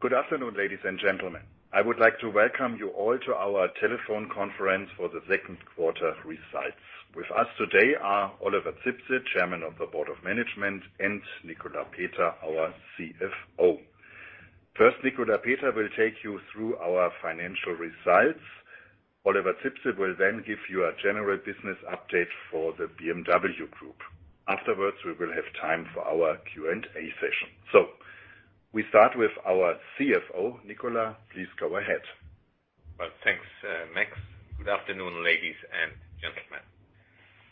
Good afternoon, ladies and gentlemen. I would like to welcome you all to our telephone conference for the second quarter results. With us today are Oliver Zipse, Chairman of the Board of Management, and Nicolas Peter, our CFO. First, Nicolas Peter will take you through our financial results. Oliver Zipse will then give you a general business update for the BMW Group. Afterwards, we will have time for our Q&A session. We start with our CFO. Nicolas, please go ahead. Well, thanks, Max. Good afternoon, ladies and gentlemen.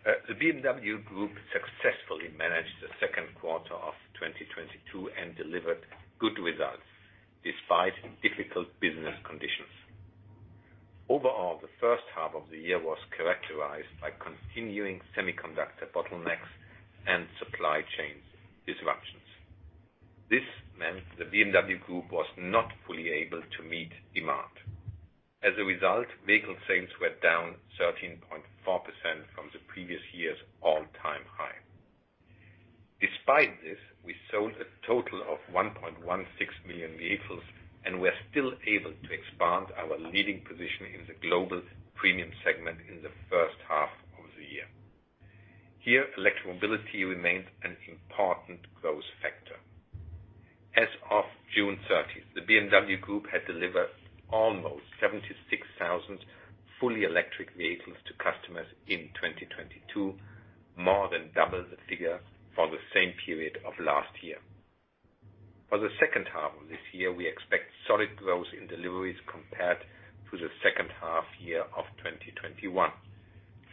The BMW Group successfully managed the second quarter of 2022 and delivered good results despite difficult business conditions. Overall, the first half of the year was characterized by continuing semiconductor bottlenecks and supply chain disruptions. This meant the BMW Group was not fully able to meet demand. As a result, vehicle sales were down 13.4% from the previous year's all-time high. Despite this, we sold a total of 1.16 million vehicles, and we're still able to expand our leading position in the global premium segment in the first half of the year. Here, electric mobility remains an important growth factor. As of June 30, the BMW Group had delivered almost 76,000 fully electric vehicles to customers in 2022, more than double the figure for the same period of last year. For the second half of this year, we expect solid growth in deliveries compared to the second half-year of 2021.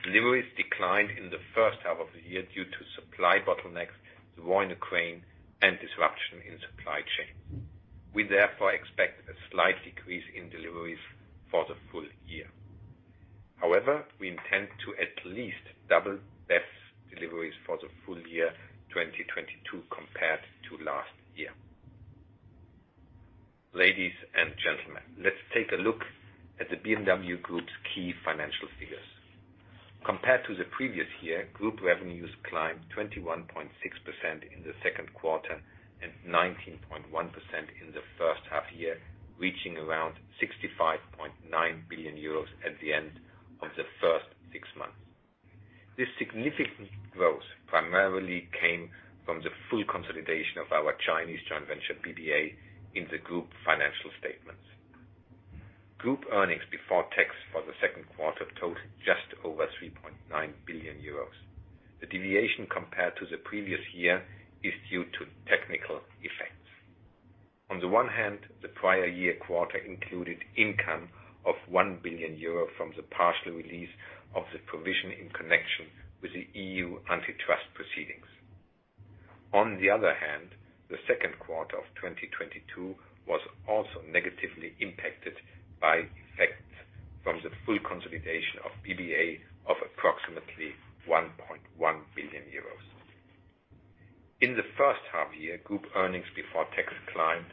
Deliveries declined in the first half of the year due to supply bottlenecks, the war in Ukraine, and disruption in supply chain. We therefore expect a slight decrease in deliveries for the full year. However, we intend to at least double BEV deliveries for the full year 2022 compared to last year. Ladies and gentlemen, let's take a look at the BMW Group's key financial figures. Compared to the previous year, group revenues climbed 21.6% in the second quarter and 19.1% in the first half-year, reaching around 65.9 billion euros at the end of the first six months. This significant growth primarily came from the full consolidation of our Chinese joint venture, BBA, in the group financial statements. Group earnings before tax for the second quarter totaled just over 3.9 billion euros. The deviation compared to the previous year is due to technical effects. On the one hand, the prior year quarter included income of 1 billion euro from the partial release of the provision in connection with the EU antitrust proceedings. On the other hand, the second quarter of 2022 was also negatively impacted by effects from the full consolidation of BBA of approximately 1.1 billion euros. In the first half year, group earnings before tax climbed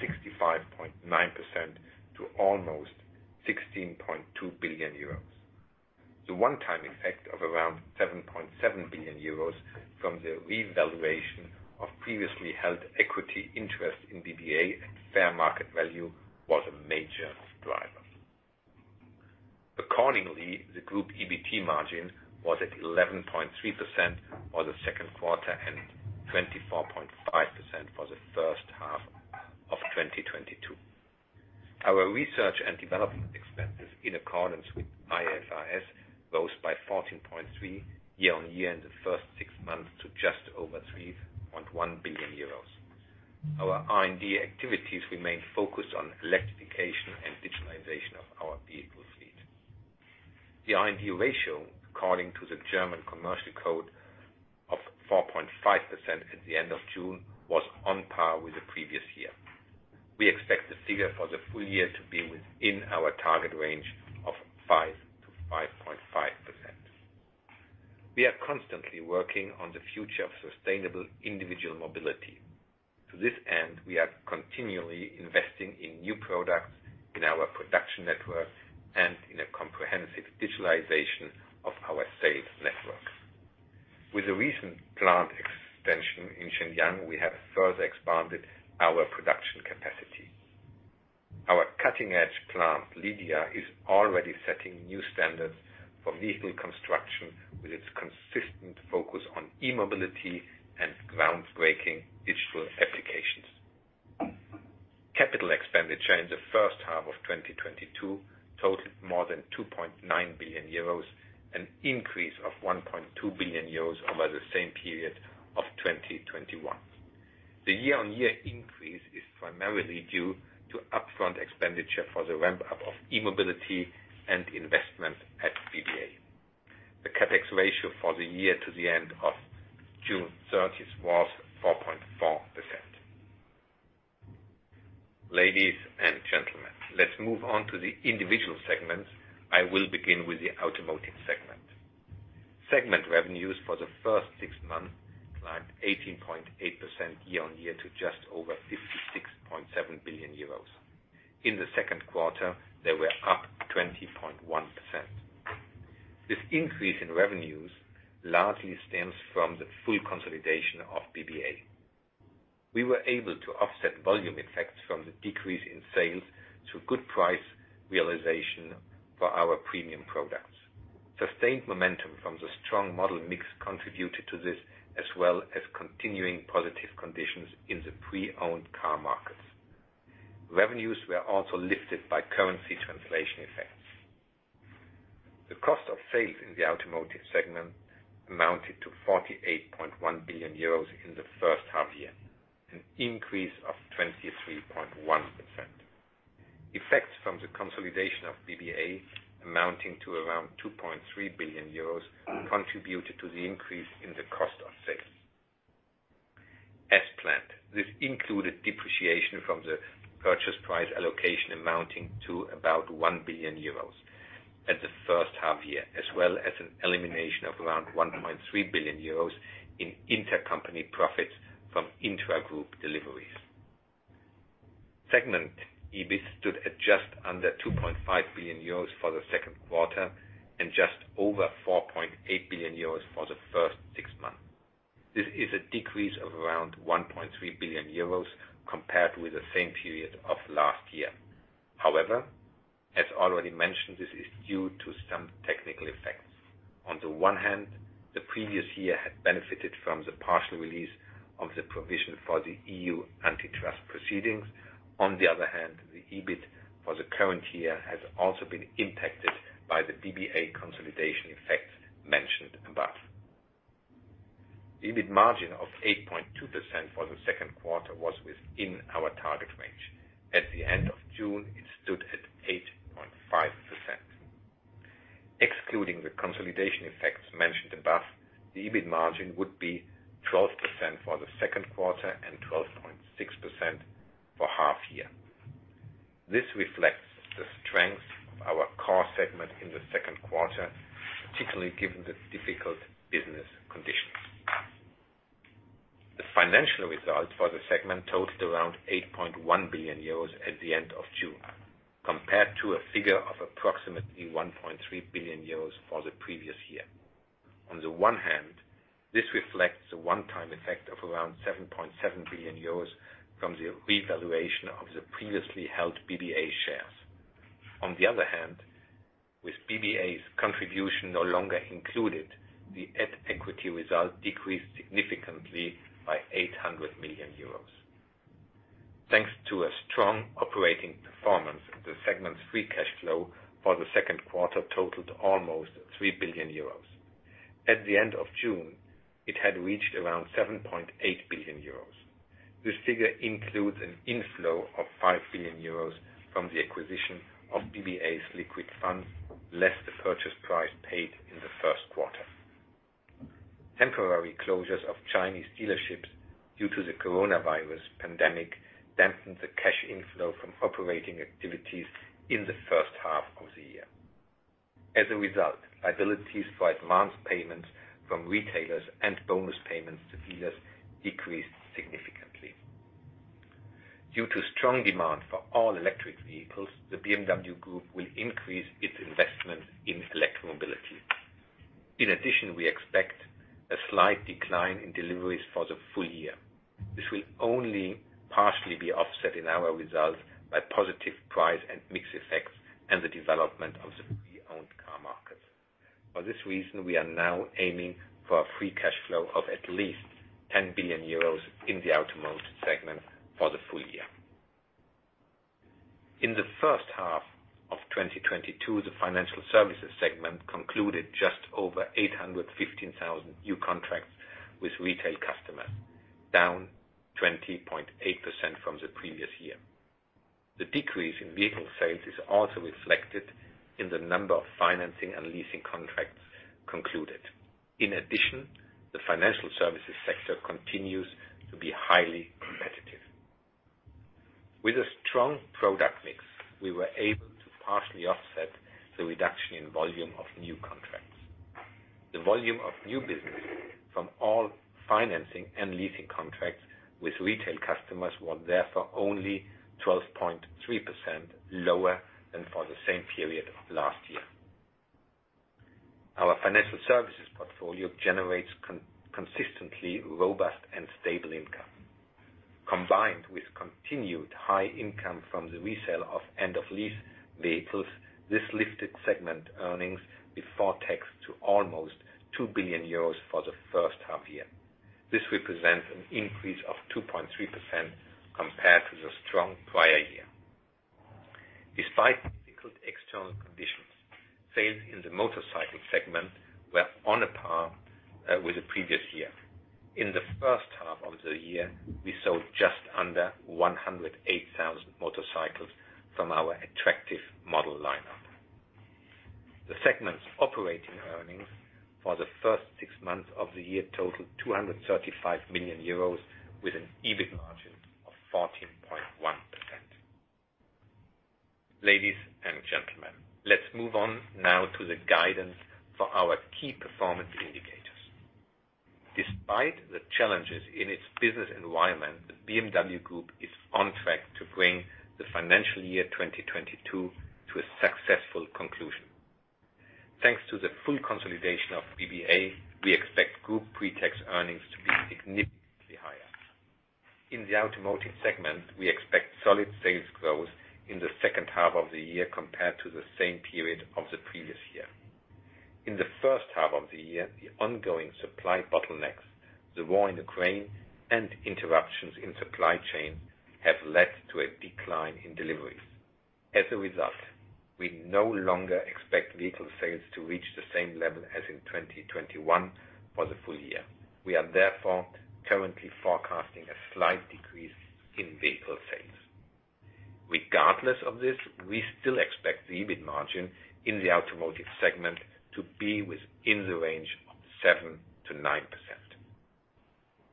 65.9% to almost 16.2 billion euros. The one-time effect of around 7.7 billion euros from the revaluation of previously held equity interest in BBA at fair market value was a major driver. Accordingly, the group EBT margin was at 11.3% for the second quarter and 24.5% for the first half of 2022. Our research and development expenses, in accordance with IFRS, rose by 14.3% year-on-year in the first six months to just over 3.1 billion euros. Our R&D activities remain focused on electrification and digitalization of our vehicle fleet. The R&D ratio, according to the German Commercial Code of 4.5% at the end of June, was on par with the previous year. We expect the figure for the full year to be within our target range of 5%-5.5%. We are constantly working on the future of sustainable individual mobility. To this end, we are continually investing in new products in our production network and in a comprehensive digitalization of our sales network. With the recent plant extension in Shenyang, we have further expanded our production capacity. Our cutting-edge plant, Lydia, is already setting new standards for vehicle construction with its consistent focus on e-mobility and groundbreaking digital applications. Capital expenditure in the first half of 2022 totaled more than 2.9 billion euros, an increase of 1.2 billion euros over the same period of 2021. The year-on-year increase is primarily due to upfront expenditure for the ramp-up of e-mobility and investment at BBA. The CapEx ratio for the year to the end of June 30th was 4.4%. Ladies and gentlemen, let's move on to the individual segments. I will begin with the automotive segment. Segment revenues for the first six months climbed 18.8% year-on-year to just over 56.7 billion euros. In the second quarter, they were up 20.1%. This increase in revenues largely stems from the full consolidation of BBA. We were able to offset volume effects from the decrease in sales to good price realization for our premium products. Sustained momentum from the strong model mix contributed to this, as well as continuing positive conditions in the pre-owned car markets. Revenues were also lifted by currency translation effects. The cost of sales in the automotive segment amounted to 48.1 billion euros in the first half year, an increase of 23.1%. Effects from the consolidation of BBA amounting to around 2.3 billion euros contributed to the increase in the cost of sales. As planned, this included depreciation from the purchase price allocation amounting to about 1 billion euros at the first half year, as well as an elimination of around 1.3 billion euros in intercompany profits from intragroup deliveries. Segment EBIT stood at just under 2.5 billion euros for the second quarter and just over 4.8 billion euros for the first six months. This is a decrease of around 1.3 billion euros compared with the same period of last year. However, as already mentioned, this is due to some technical effects. On the one hand, the previous year had benefited from the partial release of the provision for the EU antitrust proceedings. On the other hand, the EBIT for the current year has also been impacted by the BBA consolidation effects mentioned above. EBIT margin of 8.2% for the second quarter was within our target range. At the end of June, it stood at 8.5%. Excluding the consolidation effects mentioned above, the EBIT margin would be 12% for the second quarter and 12.6% for half year. This reflects the strength of our core segment in the second quarter, particularly given the difficult business conditions. The financial results for the segment totaled around 8.1 billion euros at the end of June, compared to a figure of approximately 1.3 billion euros for the previous year. On the one hand, this reflects the one-time effect of around 7.7 billion euros from the revaluation of the previously held BBA shares. On the other hand, with BBA's contribution no longer included, the at-equity result decreased significantly by 800 million euros. Thanks to a strong operating performance, the segment's free cash flow for the second quarter totaled almost 3 billion euros. At the end of June, it had reached around 7.8 billion euros. This figure includes an inflow of 5 billion euros from the acquisition of BBA's liquid funds, less the purchase price paid in the first quarter. Temporary closures of Chinese dealerships due to the coronavirus pandemic dampened the cash inflow from operating activities in the first half of the year. As a result, liabilities for advanced payments from retailers and bonus payments to dealers decreased significantly. Due to strong demand for all electric vehicles, the BMW Group will increase its investment in electromobility. In addition, we expect a slight decline in deliveries for the full year. This will only partially be offset in our results by positive price and mix effects and the development of the pre-owned car market. For this reason, we are now aiming for a free cash flow of at least 10 billion euros in the automotive segment for the full year. In the first half of 2022, the financial services segment concluded just over 815,000 new contracts with retail customers, down 20.8% from the previous year. The decrease in vehicle sales is also reflected in the number of financing and leasing contracts concluded. In addition, the financial services sector continues to be highly competitive. With a strong product mix, we were able to partially offset the reduction in volume of new contracts. The volume of new business from all financing and leasing contracts with retail customers was therefore only 12.3% lower than for the same period of last year. Our financial services portfolio generates consistently robust and stable income. Combined with continued high income from the resale of end-of-lease vehicles, this lifted segment earnings before tax to almost 2 billion euros for the first half year. This represents an increase of 2.3% compared to the strong prior year. Despite difficult external conditions, sales in the motorcycle segment were on a par with the previous year. In the first half of the year, we sold just under 108,000 motorcycles from our attractive model lineup. The segment's operating earnings for the first six months of the year totaled 235 million euros with an EBIT margin of 14.1%. Ladies and gentlemen, let's move on now to the guidance for our key performance indicators. Despite the challenges in its business environment, the BMW Group is on track to bring the financial year, 2022 to a successful conclusion. Thanks to the full consolidation of BBA, we expect group pre-tax earnings to be significantly higher. In the automotive segment, we expect solid sales growth in the second half of the year compared to the same period of the previous year. In the first half of the year, the ongoing supply bottlenecks, the war in Ukraine, and interruptions in supply chain have led to a decline in deliveries. As a result, we no longer expect vehicle sales to reach the same level as in 2021 for the full year. We are therefore currently forecasting a slight decrease in vehicle sales. Regardless of this, we still expect the EBIT margin in the automotive segment to be within the range of 7%-9%.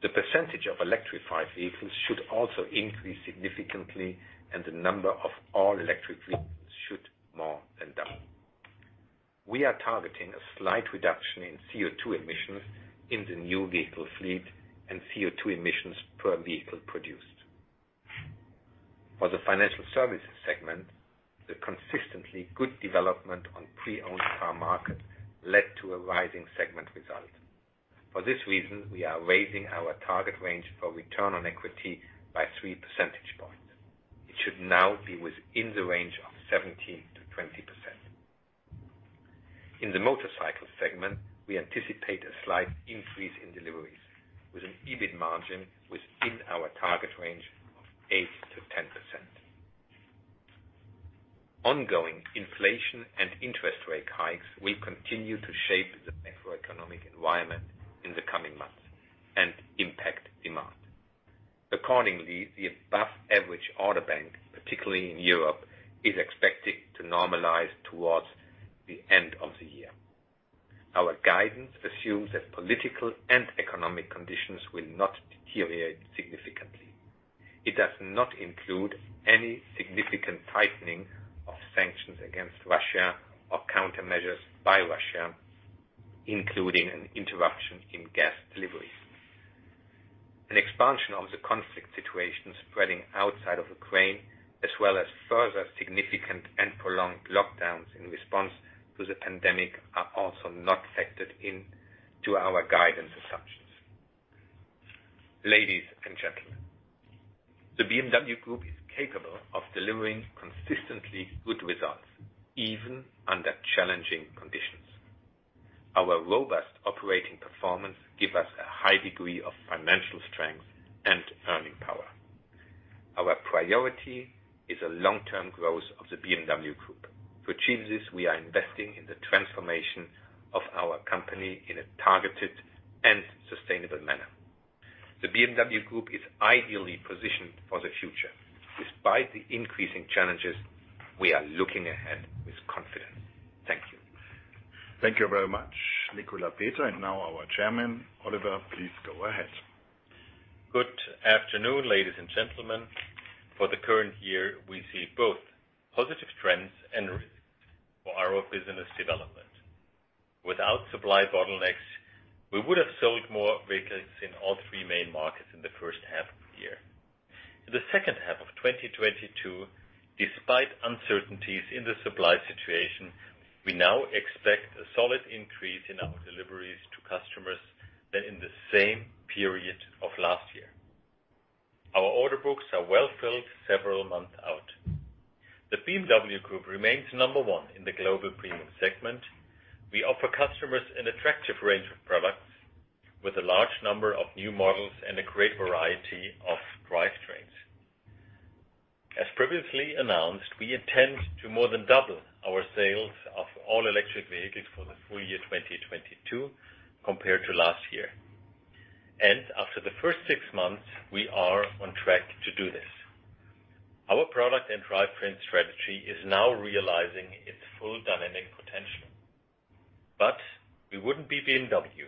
The percentage of electrified vehicles should also increase significantly, and the number of all electric vehicles should more than double. We are targeting a slight reduction in CO₂ emissions in the new vehicle fleet and CO₂ emissions per vehicle produced. For the financial services segment, the consistently good development in the pre-owned car market led to a rising segment result. For this reason, we are raising our target range for return on equity by 3 percentage points. It should now be within the range of 17%-20%. In the motorcycle segment, we anticipate a slight increase in deliveries with an EBIT margin within our target range of 8%-10%. Ongoing inflation and interest rate hikes will continue to shape the macroeconomic environment in the coming months and impact demand. Accordingly, the above average order bank, particularly in Europe, is expected to normalize towards the end of the year. Our guidance assumes that political and economic conditions will not deteriorate significantly. It does not include any significant tightening of sanctions against Russia or countermeasures by Russia, including an interruption in gas delivery. An expansion of the conflict situation spreading outside of Ukraine, as well as further significant and prolonged lockdowns in response to the pandemic are also not factored into our guidance assumptions. Ladies and gentlemen, the BMW Group is capable of delivering consistently good results, even under challenging conditions. Our robust operating performance give us a high degree of financial strength and earning power. Our priority is a long-term growth of the BMW Group. To achieve this, we are investing in the transformation of our company in a targeted and sustainable manner. The BMW Group is ideally positioned for the future. Despite the increasing challenges, we are looking ahead with confidence. Thank you. Thank you very much, Nicolas Peter. Now our Chairman, Oliver, please go ahead. Good afternoon, ladies and gentlemen. For the current year, we see both positive trends and risks for our business development. Without supply bottlenecks, we would have sold more vehicles in all three main markets in the first half of the year. The second half of 2022, despite uncertainties in the supply situation, we now expect a solid increase in our deliveries to customers than in the same period of last year. Our order books are well filled several months out. The BMW Group remains number one in the global premium segment. We offer customers an attractive range of products with a large number of new models and a great variety of drivetrains. As previously announced, we intend to more than double our sales of all electric vehicles for the full year 2022 compared to last year. After the first six months, we are on track to do this. Our product and drivetrain strategy is now realizing its full dynamic potential. We wouldn't be BMW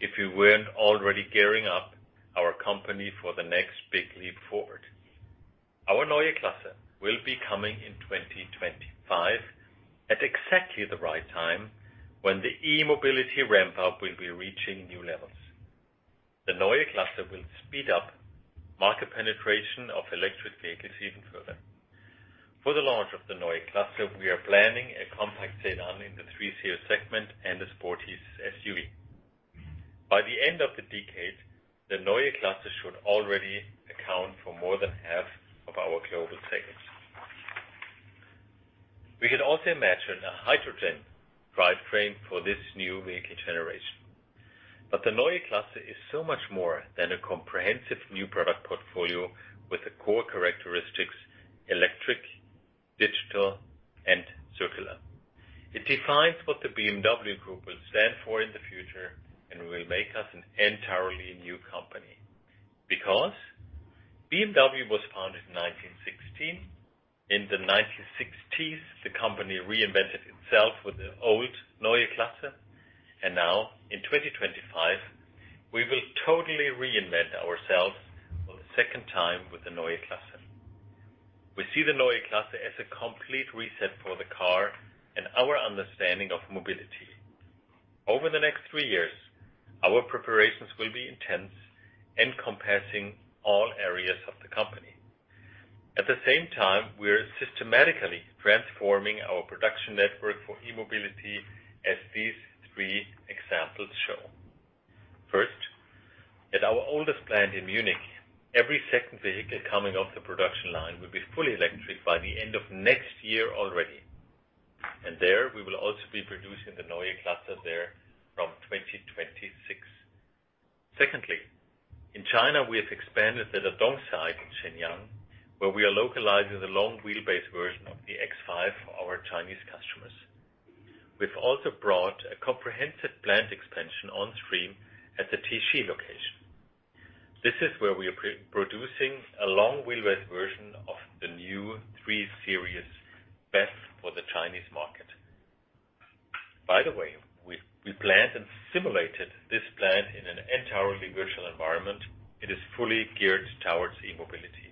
if we weren't already gearing up our company for the next big leap forward. Our Neue Klasse will be coming in 2025 at exactly the right time when the e-mobility ramp up will be reaching new levels. The Neue Klasse will speed up market penetration of electric vehicles even further. For the launch of the Neue Klasse, we are planning a compact sedan in the 3 Series segment and a sporty SUV. By the end of the decade, the Neue Klasse should already account for more than half of our global sales. We could also imagine a hydrogen drivetrain for this new vehicle generation. The Neue Klasse is so much more than a comprehensive new product portfolio with the core characteristics electric, digital, and circular. It defines what the BMW Group will stand for in the future and will make us an entirely new company. Because BMW was founded in 1916. In the 1960s, the company reinvented itself with the old Neue Klasse, and now in 2025, we will totally reinvent ourselves. Time with the Neue Klasse. We see the Neue Klasse as a complete reset for the car and our understanding of mobility. Over the next three years, our preparations will be intense, encompassing all areas of the company. At the same time, we are systematically transforming our production network for e-mobility, as these three examples show. First, at our oldest plant in Munich, every second vehicle coming off the production line will be fully electric by the end of next year already. There, we will also be producing the Neue Klasse there from 2026. Secondly, in China, we have expanded the Dadong site in Shenyang, where we are localizing the long wheelbase version of the X5 for our Chinese customers. We've also brought a comprehensive plant expansion on stream at the Tiexi location. This is where we are producing a long wheelbase version of the new 3 Series, built for the Chinese market. By the way, we planned and simulated this plant in an entirely virtual environment. It is fully geared towards e-mobility.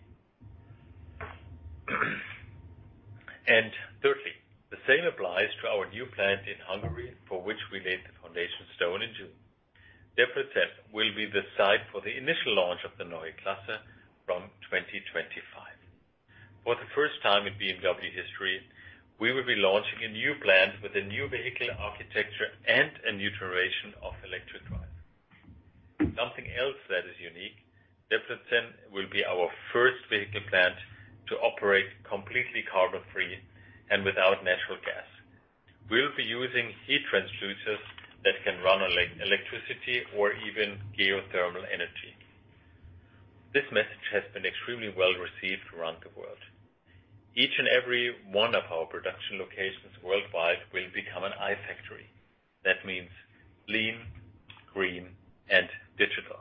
Thirdly, the same applies to our new plant in Hungary, for which we laid the foundation stone in June. Debrecen will be the site for the initial launch of the Neue Klasse from 2025. For the first time in BMW history, we will be launching a new plant with a new vehicle architecture and a new generation of electric drive. Something else that is unique, Debrecen will be our first vehicle plant to operate completely carbon-free and without natural gas. We'll be using heat pumps that can run on electricity or even geothermal energy. This message has been extremely well received around the world. Each and every one of our production locations worldwide will become an iFACTORY. That means clean, green, and digital.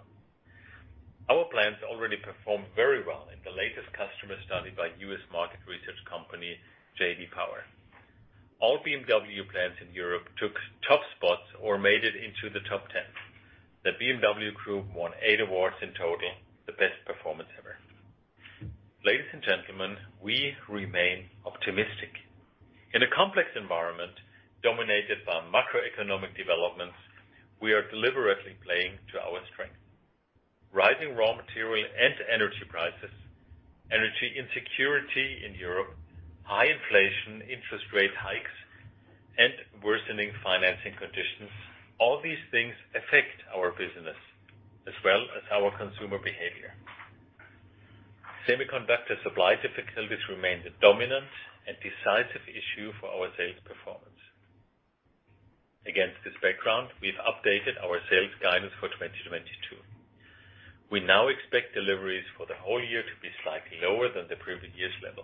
Our plants already performed very well in the latest customer study by U.S. market research company J.D. Power. All BMW plants in Europe took top spots or made it into the top 10. The BMW Group won eight awards in total, the best performance ever. Ladies and gentlemen, we remain optimistic. In a complex environment dominated by macroeconomic developments, we are deliberately playing to our strength. Rising raw material and energy prices, energy insecurity in Europe, high inflation, interest rate hikes, and worsening financing conditions, all these things affect our business as well as our consumer behavior. Semiconductor supply difficulties remain the dominant and decisive issue for our sales performance. Against this background, we've updated our sales guidance for 2022. We now expect deliveries for the whole year to be slightly lower than the previous year's level.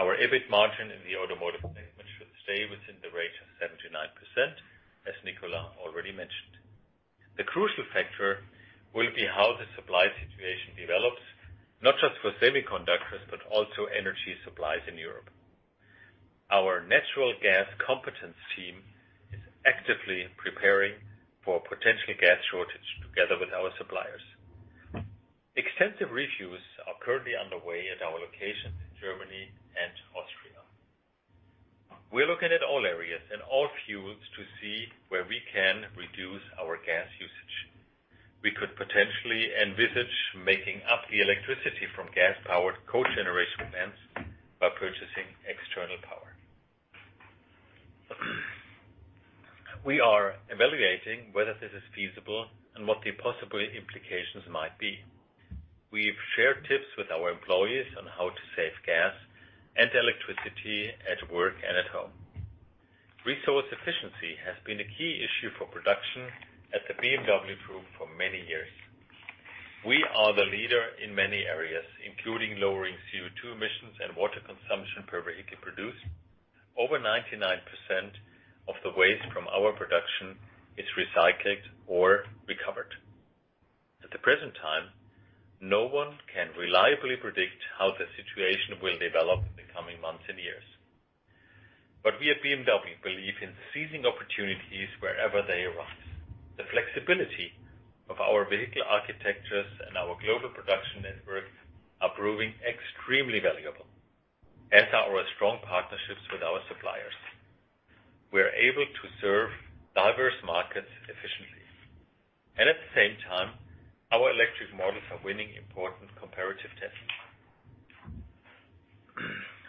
Our EBIT margin in the automotive segment should stay within the range of 7%-9%, as Nicolas already mentioned. The crucial factor will be how the supply situation develops, not just for semiconductors, but also energy supplies in Europe. Our natural gas competence team is actively preparing for potential gas shortage together with our suppliers. Extensive reviews are currently underway at our locations in Germany and Austria. We're looking at all areas and all fuels to see where we can reduce our gas usage. We could potentially envisage making up the electricity from gas-powered cogeneration plants by purchasing external power. We are evaluating whether this is feasible and what the possible implications might be. We've shared tips with our employees on how to save gas and electricity at work and at home. Resource efficiency has been a key issue for production at the BMW Group for many years. We are the leader in many areas, including lowering CO₂ emissions and water consumption per vehicle produced. Over 99% of the waste from our production is recycled or recovered. At the present time, no one can reliably predict how the situation will develop in the coming months and years. We at BMW believe in seizing opportunities wherever they arise. The flexibility of our vehicle architectures and our global production network are proving extremely valuable. As are our strong partnerships with our suppliers, we're able to serve diverse markets efficiently. At the same time, our electric models are winning important comparative tests.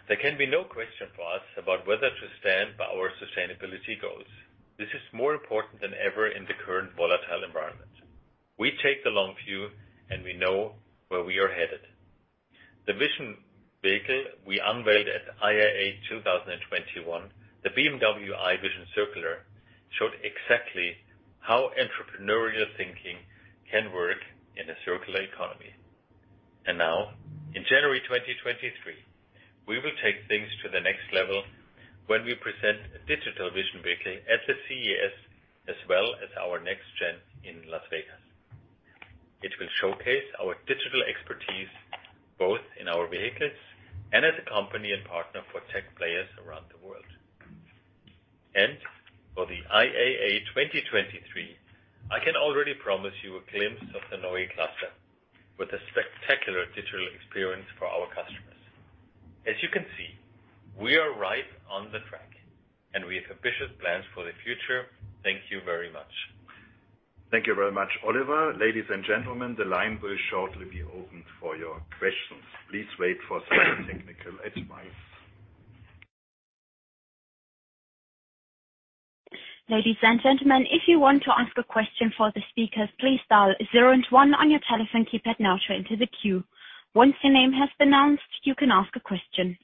There can be no question for us about whether to stand by our sustainability goals. This is more important than ever in the current volatile environment. We take the long view, and we know where we are headed. The vision vehicle we unveiled at IAA 2021, the BMW i Vision Circular, showed exactly how entrepreneurial thinking can work in a circular economy. Now, in January 2023, we will take things to the next level when we present a digital vision vehicle at the CES, as well as our NextGen in Las Vegas. It will showcase our digital expertise, both in our vehicles and as a company and partner for tech players around the world. For the IAA 2023, I can already promise you a glimpse of the Neue Klasse with a spectacular digital experience for our customers. As you can see, we are right on the track, and we have ambitious plans for the future. Thank you very much. Thank you very much, Oliver. Ladies and gentlemen, the line will shortly be opened for your questions. Please wait for some technical advice. Ladies and gentlemen, if you want to ask a question for the speakers, please dial zero and one on your telephone keypad now to enter the queue. Once your name has been announced, you can ask a question.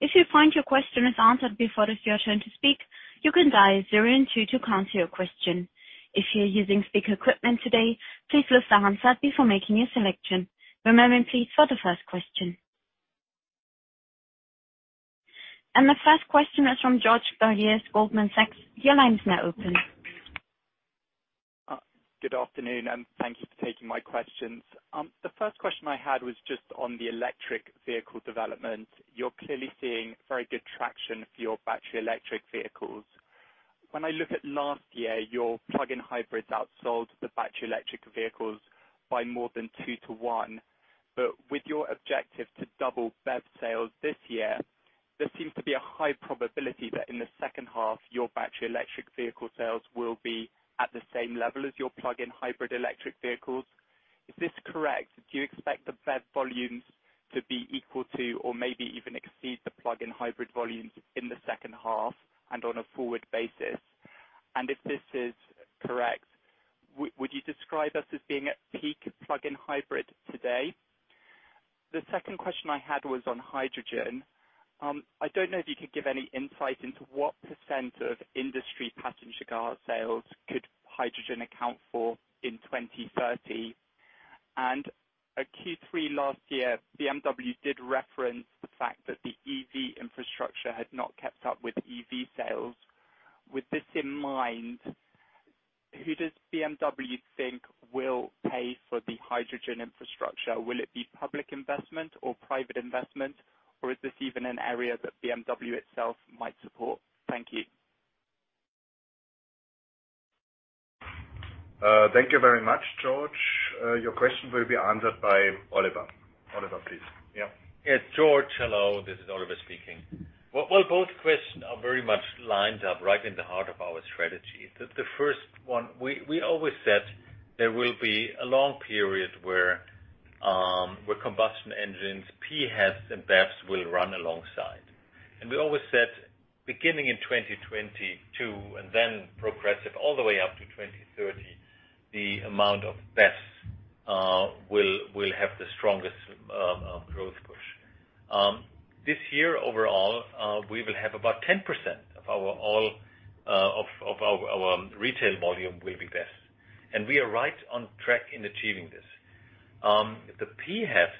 If you find your question is answered before it is your turn to speak, you can dial zero and two to cancel your question. If you're using speaker equipment today, please lift the handset before making your selection. Remember, please, for the first question. The first question is from George Galliers, Goldman Sachs. Your line is now open. Good afternoon, and thank you for taking my questions. The first question I had was just on the electric vehicle development. You're clearly seeing very good traction for your battery electric vehicles. When I look at last year, your plug-in hybrids outsold the battery electric vehicles by more than two to one. With your objective to double BEV sales this year, there seems to be a high probability that in the second half, your battery electric vehicle sales will be at the same level as your plug-in hybrid electric vehicles. Is this correct? Do you expect the BEV volumes to be equal to or maybe even exceed the plug-in hybrid volumes in the second half and on a forward basis? And if this is correct, would you describe us as being at peak plug-in hybrid today? The second question I had was on hydrogen. I don't know if you could give any insight into what percent of industry passenger car sales could hydrogen account for in 2030. At Q3 last year, BMW did reference the fact that the EV infrastructure had not kept up with EV sales. With this in mind, who does BMW think will pay for the hydrogen infrastructure? Will it be public investment or private investment, or is this even an area that BMW itself might support? Thank you. Thank you very much, George. Your question will be answered by Oliver. Oliver, please. Yeah. George, hello. This is Oliver speaking. Well, both questions are very much lined up right in the heart of our strategy. The first one, we always said there will be a long period where combustion engines, PHEVs, and BEVs will run alongside. We always said, beginning in 2022 and then progressively all the way up to 2030, the amount of BEVs will have the strongest growth push. This year overall, we will have about 10% of our retail volume will be BEVs, and we are right on track in achieving this. The PHEVs,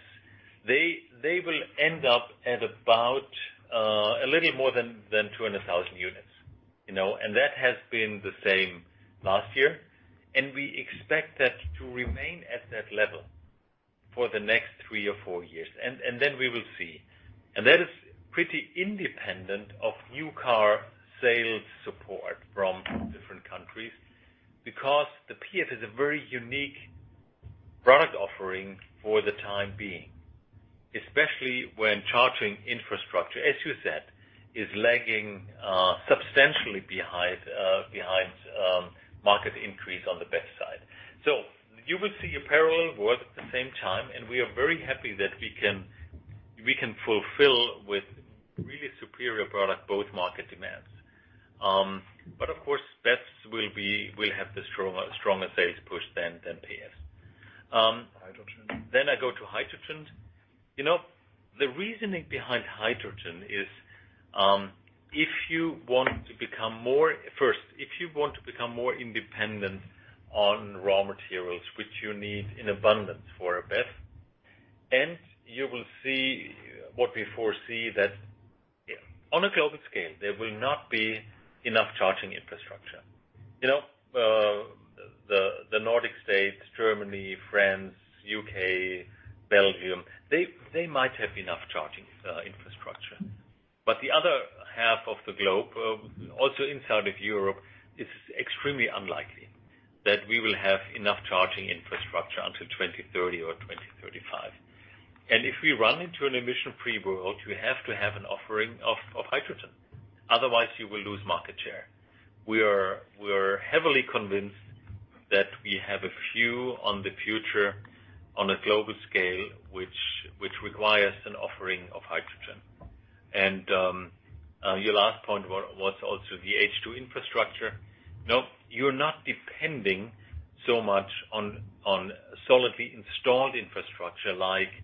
they will end up at about a little more than 200,000 units, you know, and that has been the same last year. We expect that to remain at that level for the next three or four years. Then we will see. That is pretty independent of new car sales support from different countries because the PHEV is a very unique product offering for the time being, especially when charging infrastructure, as you said, is lagging substantially behind market increase on the BEV side. You will see a parallel work at the same time, and we are very happy that we can fulfill with really superior product both market demands. Of course, BEVs will have the stronger sales push than PHEVs. Hydrogen. I go to hydrogen. You know, the reasoning behind hydrogen is, if you want to become more independent on raw materials, which you need in abundance for a BEV, and you will see what we foresee that, yeah, on a global scale, there will not be enough charging infrastructure. You know, the Nordic states, Germany, France, U.K., Belgium, they might have enough charging infrastructure. But the other half of the globe, also in south of Europe, it's extremely unlikely that we will have enough charging infrastructure until 2030 or 2035. If we run into an emission-free world, we have to have an offering of hydrogen. Otherwise, you will lose market share. We are heavily convinced that we have a view on the future on a global scale, which requires an offering of hydrogen. Your last point was also the H2 infrastructure. No, you're not depending so much on solidly installed infrastructure like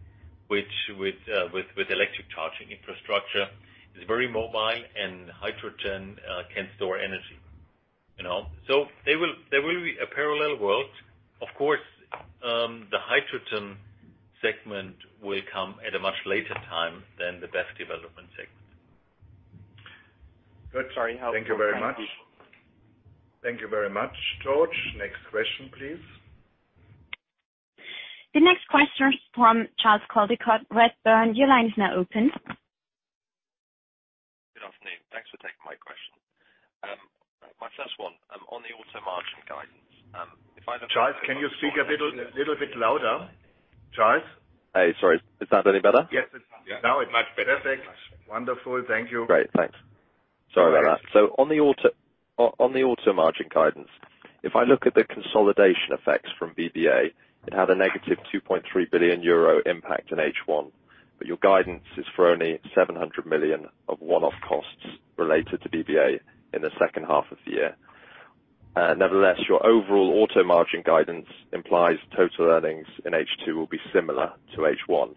with electric charging infrastructure. It's very mobile and hydrogen can store energy. You know? There will be a parallel world. Of course, the hydrogen segment will come at a much later time than the BEV development segment. Good. Thank you very much. Thank you very much, George. Next question, please. The next question is from Charles Caldicott, Redburn. Your line is now open. Good afternoon. Thanks for taking my question. My first one, on the auto margin guidance, if I- Charles, can you speak a little bit louder? Charles? Hey, sorry. Is that any better? Yes, it's. Now it's much better. Perfect. Wonderful. Thank you. Great. Thanks. Sorry about that. On the auto margin guidance, if I look at the consolidation effects from BBA, it had a negative 2.3 billion euro impact in H1, but your guidance is for only 700 million of one-off costs related to BBA in the second half of the year. Nevertheless, your overall auto margin guidance implies total earnings in H2 will be similar to H1.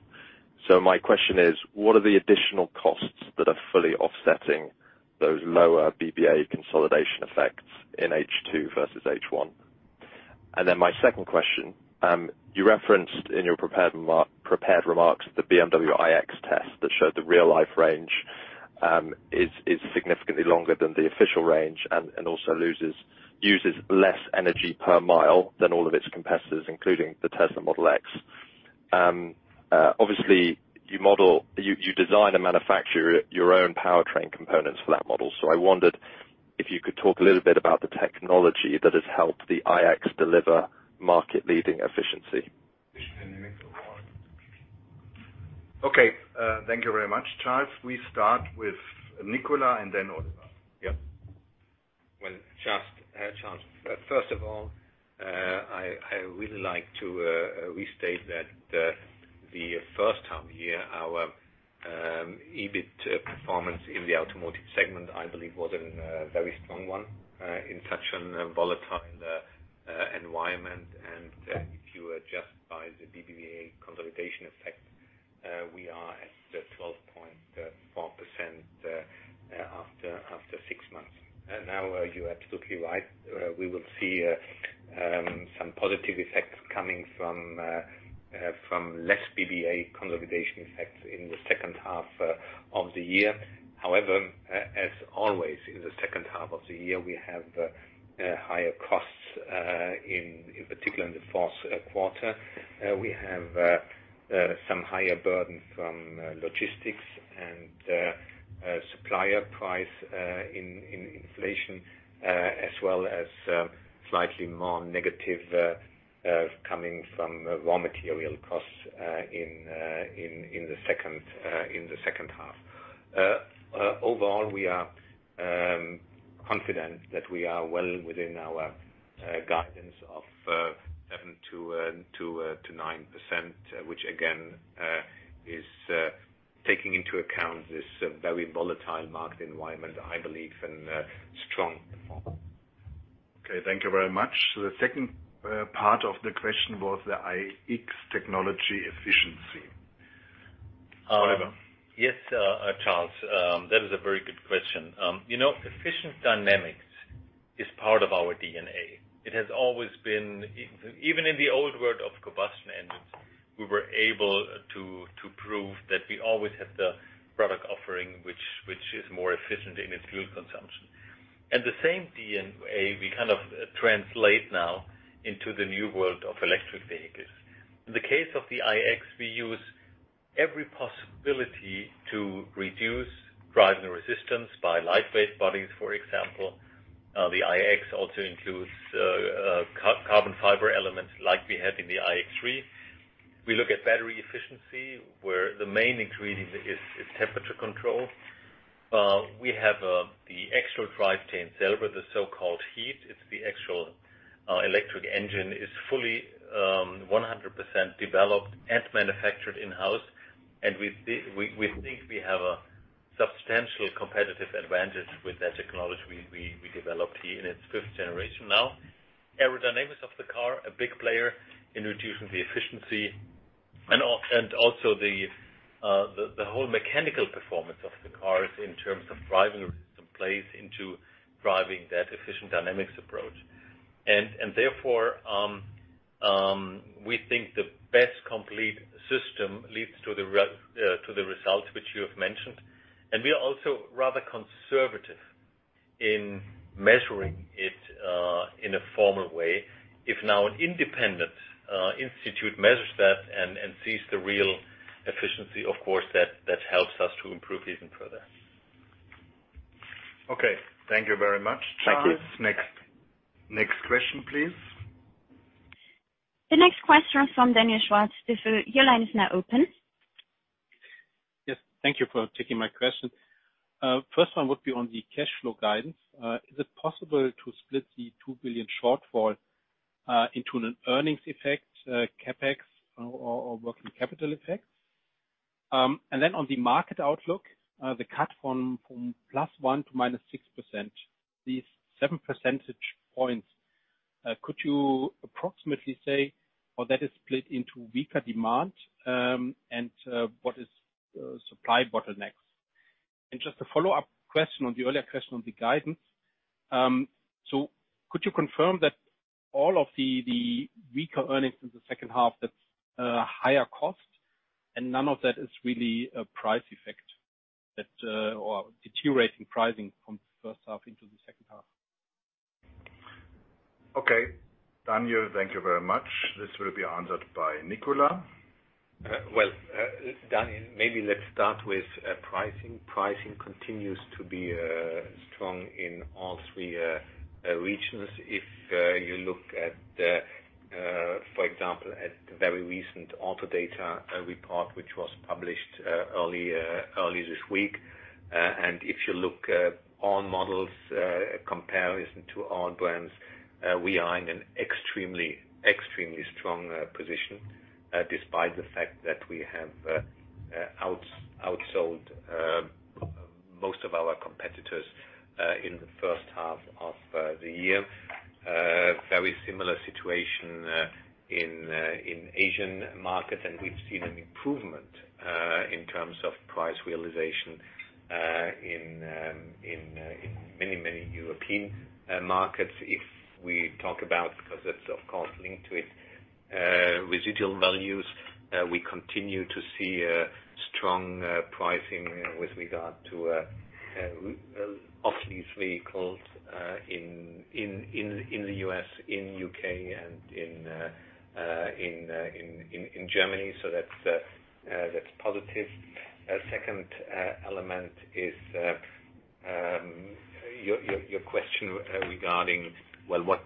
My question is, what are the additional costs that are fully offsetting those lower BBA consolidation effects in H2 versus H1? my second question, you referenced in your prepared remarks the BMW iX test that showed the real life range is significantly longer than the official range and also uses less energy per mile than all of its competitors, including the Tesla Model X. Obviously, you design and manufacture your own powertrain components for that model. I wondered if you could talk a little bit about the technology that has helped the iX deliver market-leading efficiency. Okay. Thank you very much, Charles. We start with Nicolas and then Oliver. Yeah. Well, Charles, first of all, I really like to restate that the first half of the year, our EBIT performance in the automotive segment, I believe, was a very strong one in such a volatile environment. If you adjust by the BBA consolidation effect, we are at the 12.4% after six months. Now you're absolutely right. We will see some positive effects coming from less BBA consolidation effects in the second half of the year. However, as always, in the second half of the year, we have higher costs in particular in the fourth quarter. We have some higher burden from logistics and supplier price inflation as well as slightly more negative coming from raw material costs in the second half. Overall, we are confident that we are well within our guidance of 7%-9%, which again is taking into account this very volatile market environment, I believe, and strong performance. Okay, thank you very much. The second part of the question was the iX technology efficiency. Oliver. Yes, Charles, that is a very good question. You know, EfficientDynamics is part of our DNA. It has always been. Even in the old world of combustion engines, we were able to prove that we always have the product offering which is more efficient in its fuel consumption. The same DNA, we kind of translate now into the new world of electric vehicles. In the case of the iX, we use every possibility to reduce driving resistance by lightweight bodies, for example. The iX also includes carbon fiber elements like we have in the iX3. We look at battery efficiency, where the main ingredient is temperature control. We have the actual drivetrain itself, the so-called eDrive. It's the actual electric engine is fully 100% developed and manufactured in-house. We think we have a substantial competitive advantage with that technology we developed here in its fifth generation now. Aerodynamics of the car, a big player in reducing the efficiency and also the whole mechanical performance of the cars in terms of driving resistance plays into driving that EfficientDynamics approach. Therefore, we think the best complete system leads to the results which you have mentioned. We are also rather conservative in measuring it in a formal way. If now an independent institute measures that and sees the real efficiency, of course, that helps us to improve even further. Okay, thank you very much. Thank you. Charles. Next question, please. The next question from Daniel Schwarz. Your line is now open. Yes. Thank you for taking my question. First one would be on the cash flow guidance. Is it possible to split the 2 billion shortfall into an earnings effect, CapEx or working capital effects? On the market outlook, the cut from +1% to -6%, these 7 percentage points, could you approximately say how that is split into weaker demand, and what is supply bottlenecks? Just a follow-up question on the earlier question on the guidance. Could you confirm that all of the weaker earnings in the second half, that's higher cost and none of that is really a price effect or deteriorating pricing from the first half into the second half? Okay, Daniel, thank you very much. This will be answered by Nicolas. Daniel, maybe let's start with pricing. Pricing continues to be strong in all three regions. If, for example, you look at the very recent Autodata report, which was published early this week, and if you look at all models comparison to all brands, we are in an extremely strong position despite the fact that we have outsold most of our competitors in the first half of the year. Very similar situation in Asian markets, and we've seen an improvement in terms of price realization in many European markets. If we talk about, because that's of course linked to it, residual values, we continue to see a strong pricing with regard to of these vehicles in the U.S., U.K., and in Germany. That's positive. Second element is your question regarding what.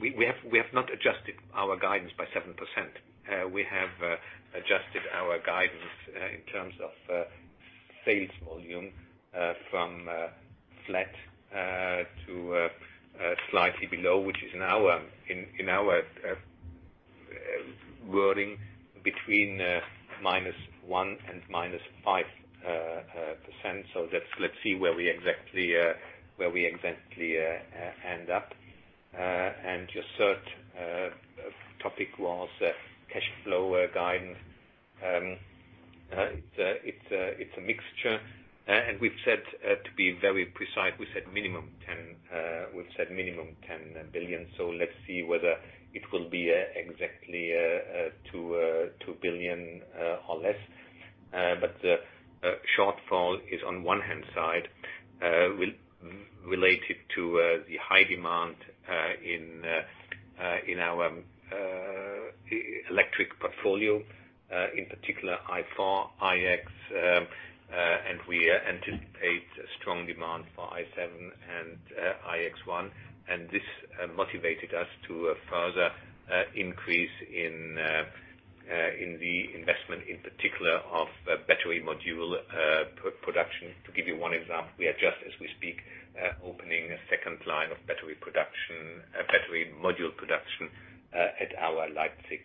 We have not adjusted our guidance by 7%. We have adjusted our guidance in terms of sales volume from flat to slightly below, which is now in our wording between -1% and -5%. Let's see where we exactly end up. Your third topic was cash flow guidance. It's a mixture. We've said, to be very precise, we said minimum 10 billion. Let's see whether it will be exactly 2 billion or less. The shortfall is on one hand related to the high demand in our electric portfolio, in particular i4, iX, and we anticipate strong demand for i7 and iX1. This motivated us to a further increase in the investment in particular of battery module production. To give you one example, we are just, as we speak, opening a second line of battery production, battery module production, at our Leipzig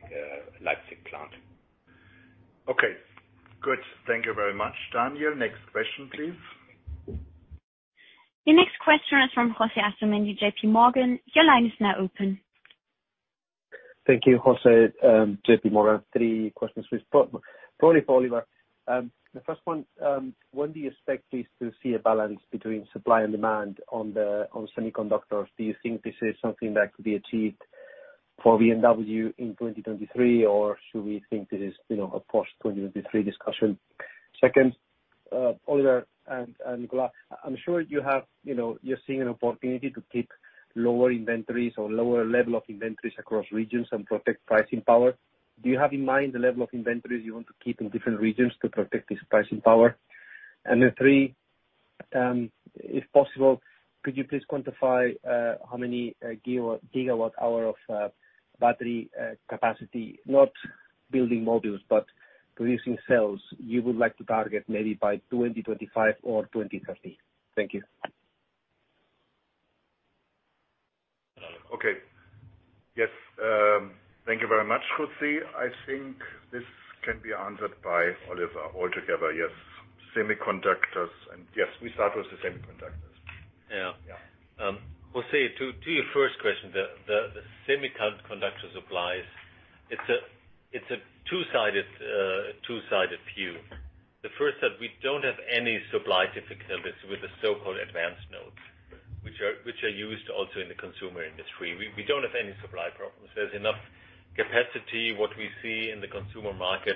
plant. Okay, good. Thank you very much, Daniel. Next question, please. The next question is from José Asumendi, JPMorgan. Your line is now open. Thank you. José, JPMorgan. Three questions. Probably for Oliver. The first one, when do you expect, please, to see a balance between supply and demand on semiconductors? Do you think this is something that could be achieved for BMW in 2023, or should we think this is, you know, a post-2023 discussion? Second, Oliver and Nicolas, I'm sure you have, you know, you're seeing an opportunity to keep lower inventories or lower level of inventories across regions and protect pricing power. Do you have in mind the level of inventories you want to keep in different regions to protect this pricing power? Then three, if possible, could you please quantify how many gigawatt hour of battery capacity, not building modules, but producing cells you would like to target maybe by 2025 or 2030? Thank you. Okay. Yes, thank you very much, José. I think this can be answered by Oliver altogether. Yes, semiconductors. Yes, we start with the semiconductors. Yeah. Yeah. José, to your first question, the semiconductor supplies, it's a two-sided view. The first, that we don't have any supply difficulties with the so-called advanced nodes, which are used also in the consumer industry. We don't have any supply problems. There's enough capacity. What we see in the consumer market,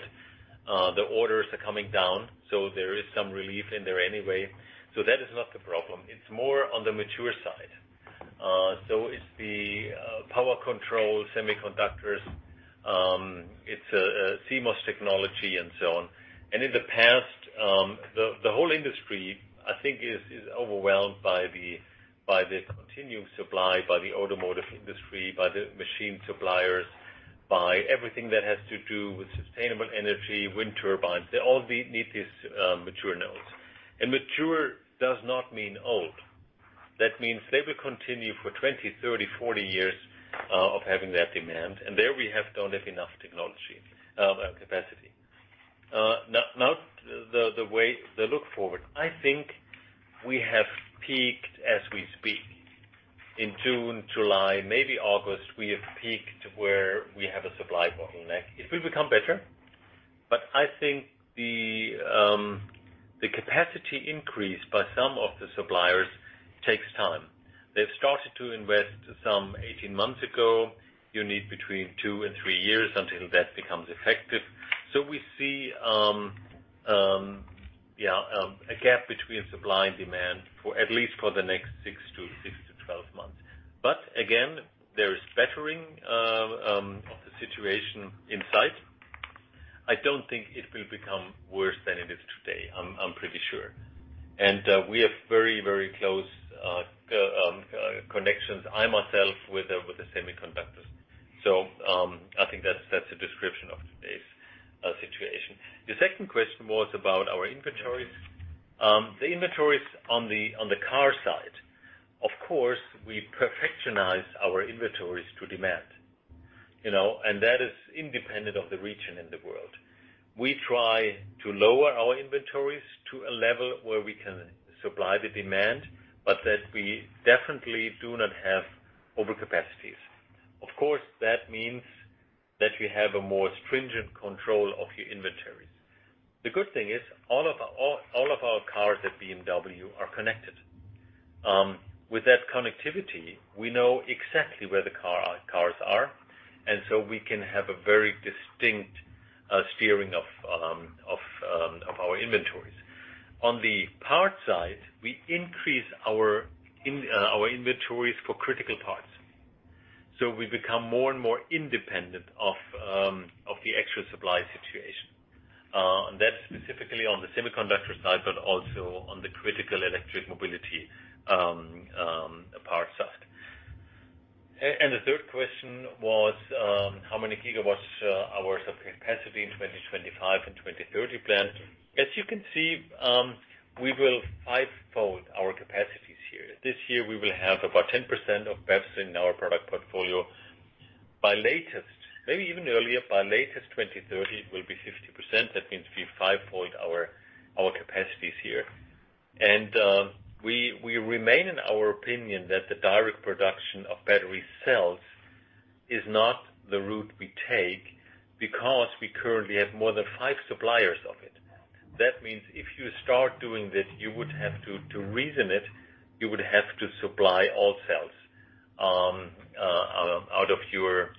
the orders are coming down, so there is some relief in there anyway. That is not the problem. It's more on the mature side. It's the power control semiconductors. It's CMOS technology and so on. In the past, the whole industry, I think, is overwhelmed by the continuing supply, by the automotive industry, by the machine suppliers, by everything that has to do with sustainable energy, wind turbines. They all need these mature nodes. Mature does not mean old. That means they will continue for 20, 30, 40 years of having that demand. There we don't have enough technology capacity. Now the outlook, I think we have peaked as we speak. In June, July, maybe August, we have peaked where we have a supply bottleneck. It will become better, but I think the capacity increase by some of the suppliers takes time. They've started to invest some 18 months ago. You need between two and three years until that becomes effective. We see. Yeah, a gap between supply and demand for at least the next six to 12 months. There is bettering of the situation in sight. I don't think it will become worse than it is today. I'm pretty sure. We have very, very close connections, I myself, with the semiconductors. I think that's a description of today's situation. The second question was about our inventories. The inventories on the car side. Of course, we perfectionize our inventories to demand, you know, and that is independent of the region in the world. We try to lower our inventories to a level where we can supply the demand, but that we definitely do not have overcapacities. Of course, that means that you have a more stringent control of your inventories. The good thing is all of our cars at BMW are connected. With that connectivity, we know exactly where the cars are, and we can have a very distinct steering of our inventories. On the parts side, we increase our inventories for critical parts. We become more and more independent of the external supply situation. That's specifically on the semiconductor side, but also on the critical electric mobility parts side. The third question was how many gigawatt hours of capacity in the 2025 and 2030 plan. As you can see, we will fivefold our capacities here. This year, we will have about 10% of BEVs in our product portfolio. By the latest, maybe even earlier, by the latest 2030, it will be 50%. That means we fivefold our capacities here. We remain in our opinion that the direct production of battery cells is not the route we take because we currently have more than five suppliers of it. That means if you start doing this, you would have to supply all cells out of your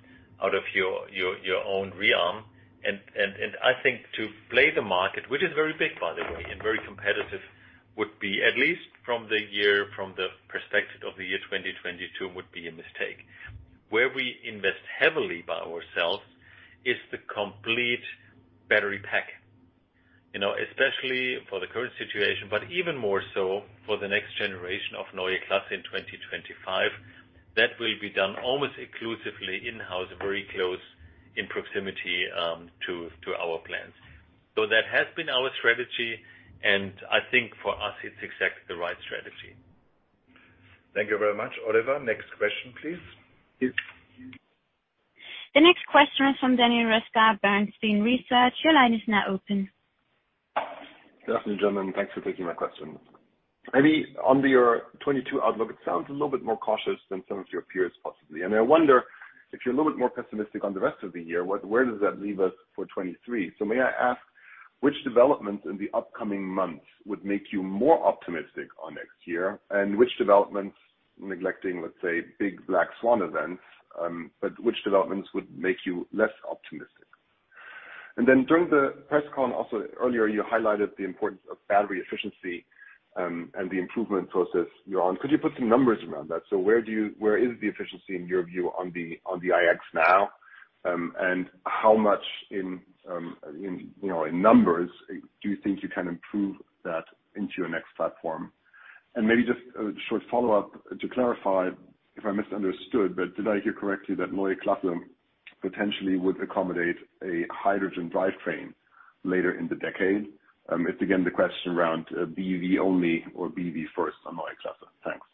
own realm. I think to play the market, which is very big, by the way, and very competitive, would be at least from the perspective of the year 2022, would be a mistake. Where we invest heavily by ourselves is the complete battery pack, you know, especially for the current situation, but even more so for the next generation of Neue Klasse in 2025. That will be done almost exclusively in-house, very close in proximity to our plans. That has been our strategy, and I think for us it's exactly the right strategy. Thank you very much. Oliver, next question, please. Yes. The next question is from Daniel Roeska at Bernstein Research. Your line is now open. Good afternoon, gentlemen. Thanks for taking my question. Maybe under your 2022 outlook, it sounds a little bit more cautious than some of your peers, possibly. I wonder if you're a little bit more pessimistic on the rest of the year, where does that leave us for 2023? May I ask which developments in the upcoming months would make you more optimistic on next year? Which developments neglecting, let's say, big black swan events, but which developments would make you less optimistic? Then during the press con also earlier, you highlighted the importance of battery efficiency, and the improvement process you're on. Could you put some numbers around that? Where do you... Where is the efficiency in your view on the iX now, and how much, you know, in numbers do you think you can improve that into your next platform? Maybe just a short follow-up to clarify if I misunderstood, but did I hear correctly that Neue Klasse potentially would accommodate a hydrogen drivetrain later in the decade? It's again the question around BEV only or BEV first on Neue Klasse. Thanks.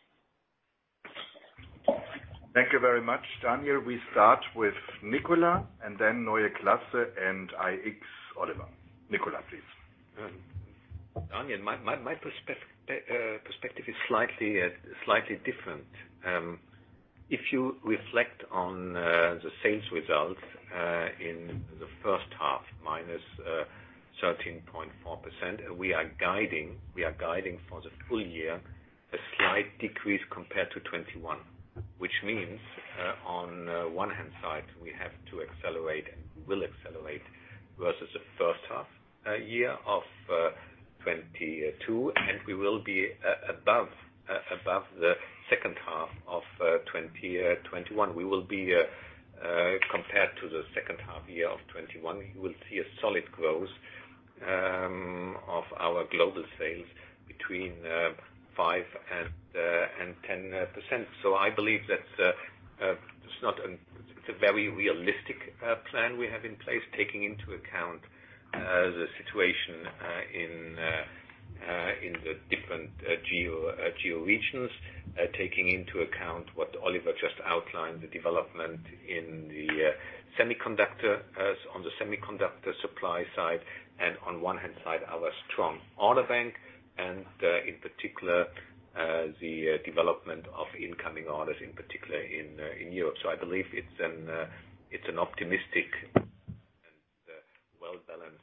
Thank you very much, Daniel. We start with Nicolas and then Neue Klasse and iX. Oliver. Nicolas, please. Daniel, my perspective is slightly different. If you reflect on the sales results in the first half, -13.4%, we are guiding for the full year a slight decrease compared to 2021. Which means, on one hand side, we have to accelerate and will accelerate versus the first half year of 2022, and we will be above the second half of 2021. We will be compared to the second half year of 2021. You will see a solid growth of our global sales between 5% and 10%. I believe that's. It's not an. It's a very realistic plan we have in place, taking into account the situation in the different geo-regions, taking into account what Oliver just outlined, the development in the semiconductor on the semiconductor supply side, and on one hand side, our strong order bank, and in particular the development of incoming orders, in particular in Europe. I believe it's an optimistic and well-balanced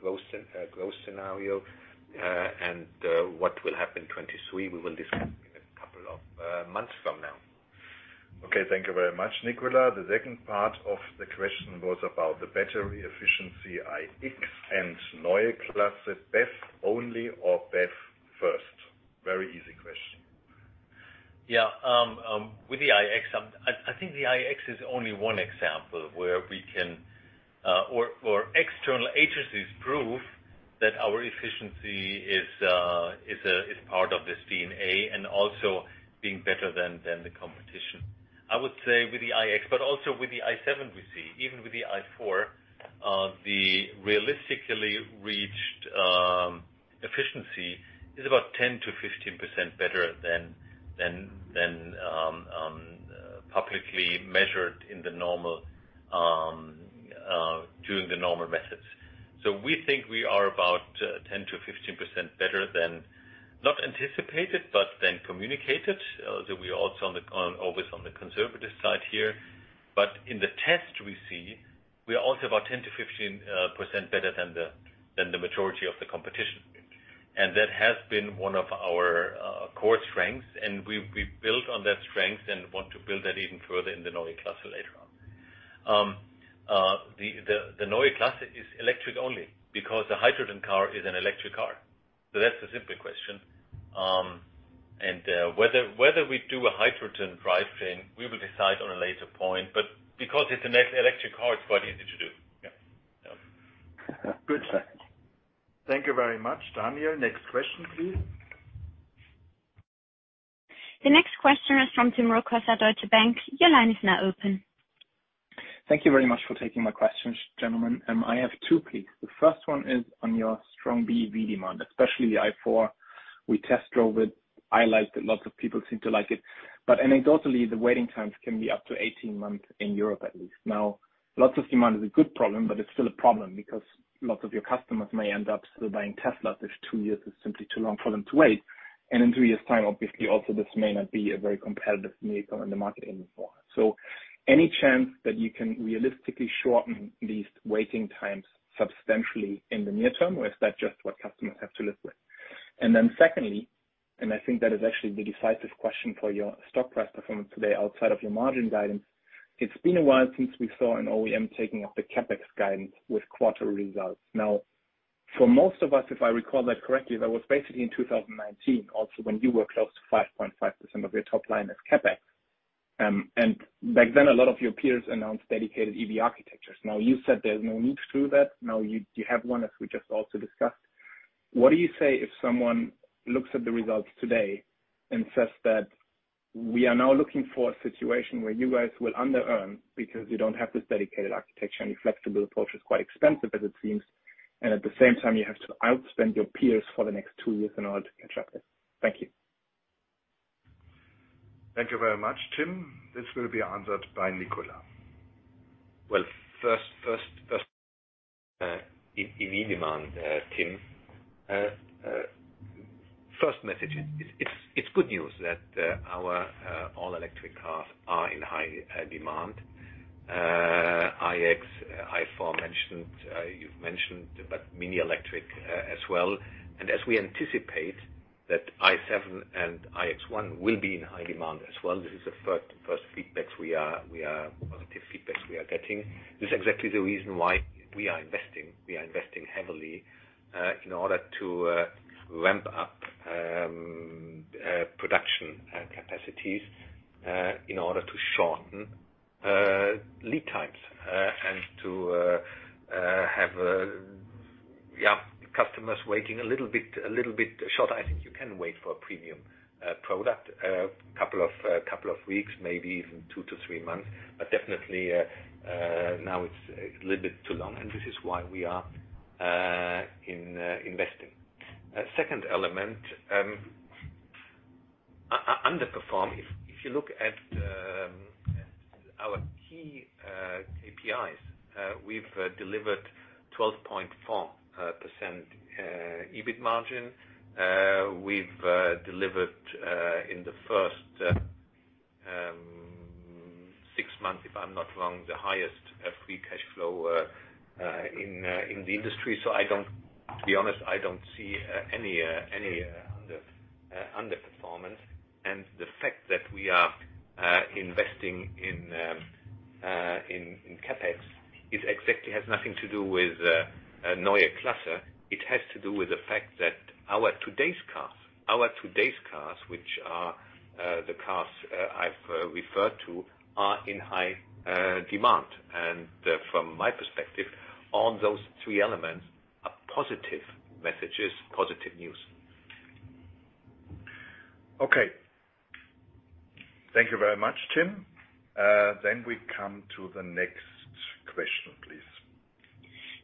growth scenario. What will happen 2023, we will discuss in a couple of months from now. Okay, thank you very much, Nicolas. The second part of the question was about the battery efficiency iX and Neue Klasse BEV only or BEV first. Very easy question. Yeah. With the iX, I think the iX is only one example where we can or external agencies prove that our efficiency is part of this DNA and also being better than the competition. I would say with the iX, but also with the i7 we see, even with the i4, the realistically reached efficiency is about 10%-15% better than publicly measured in the normal during the normal methods. We think we are about 10%-15% better than, not anticipated, but than communicated. That we also always on the conservative side here. In the test we see we are also about 10%-15% better than the majority of the competition. That has been one of our core strengths, and we've built on that strength and want to build that even further in the Neue Klasse later on. The Neue Klasse is electric only because a hydrogen car is an electric car. That's a simple question. Whether we do a hydrogen drivetrain, we will decide on a later point, but because it's an electric car, it's quite easy to do. Yeah. Yeah. Good. Thank you very much. Daniel, next question, please. The next question is from Tim Rokossa, Deutsche Bank. Your line is now open. Thank you very much for taking my questions, gentlemen. I have two, please. The first one is on your strong BEV demand, especially the i4. We test drove it, I liked it, lots of people seem to like it. But anecdotally, the waiting times can be up to 18 months in Europe at least. Now, lots of demand is a good problem, but it's still a problem because lots of your customers may end up still buying Teslas if two years is simply too long for them to wait. In two years' time, obviously also this may not be a very competitive vehicle in the market anymore. Any chance that you can realistically shorten these waiting times substantially in the near term, or is that just what customers have to live with? Secondly, and I think that is actually the decisive question for your stock price performance today outside of your margin guidance. It's been a while since we saw an OEM taking up the CapEx guidance with quarter results. Now, for most of us, if I recall that correctly, that was basically in 2019 also, when you were close to 5.5% of your top line as CapEx. Back then, a lot of your peers announced dedicated EV architectures. Now, you said there's no need to do that. Now you have one, as we just also discussed. What do you say if someone looks at the results today and says that we are now looking for a situation where you guys will under-earn because you don't have this dedicated architecture, and your flexible approach is quite expensive as it seems, and at the same time, you have to outspend your peers for the next two years in order to catch up with? Thank you. Thank you very much, Tim. This will be answered by Nicolas. Well, first in demand, Tim, first message is it's good news that our all-electric cars are in high demand. iX, i4 mentioned, you've mentioned, but MINI Electric as well. As we anticipate that i7 and iX1 will be in high demand as well, this is the first positive feedbacks we are getting. This is exactly the reason why we are investing. We are investing heavily in order to ramp up production capacities in order to shorten lead times and to have customers waiting a little bit shorter. I think you can wait for a premium product couple of weeks, maybe even two to three months, but definitely now it's a little bit too long, and this is why we are investing. Second element, underperform. If you look at our key KPIs, we've delivered 12.4% EBIT margin. We've delivered in the first six months, if I'm not wrong, the highest free cash flow in the industry. To be honest, I don't see any underperformance. The fact that we are investing in CapEx is exactly has nothing to do with Neue Klasse. It has to do with the fact that our today's cars, which are the cars I've referred to, are in high demand. From my perspective on those three elements are positive messages, positive news. Okay. Thank you very much, Tim. We come to the next question, please.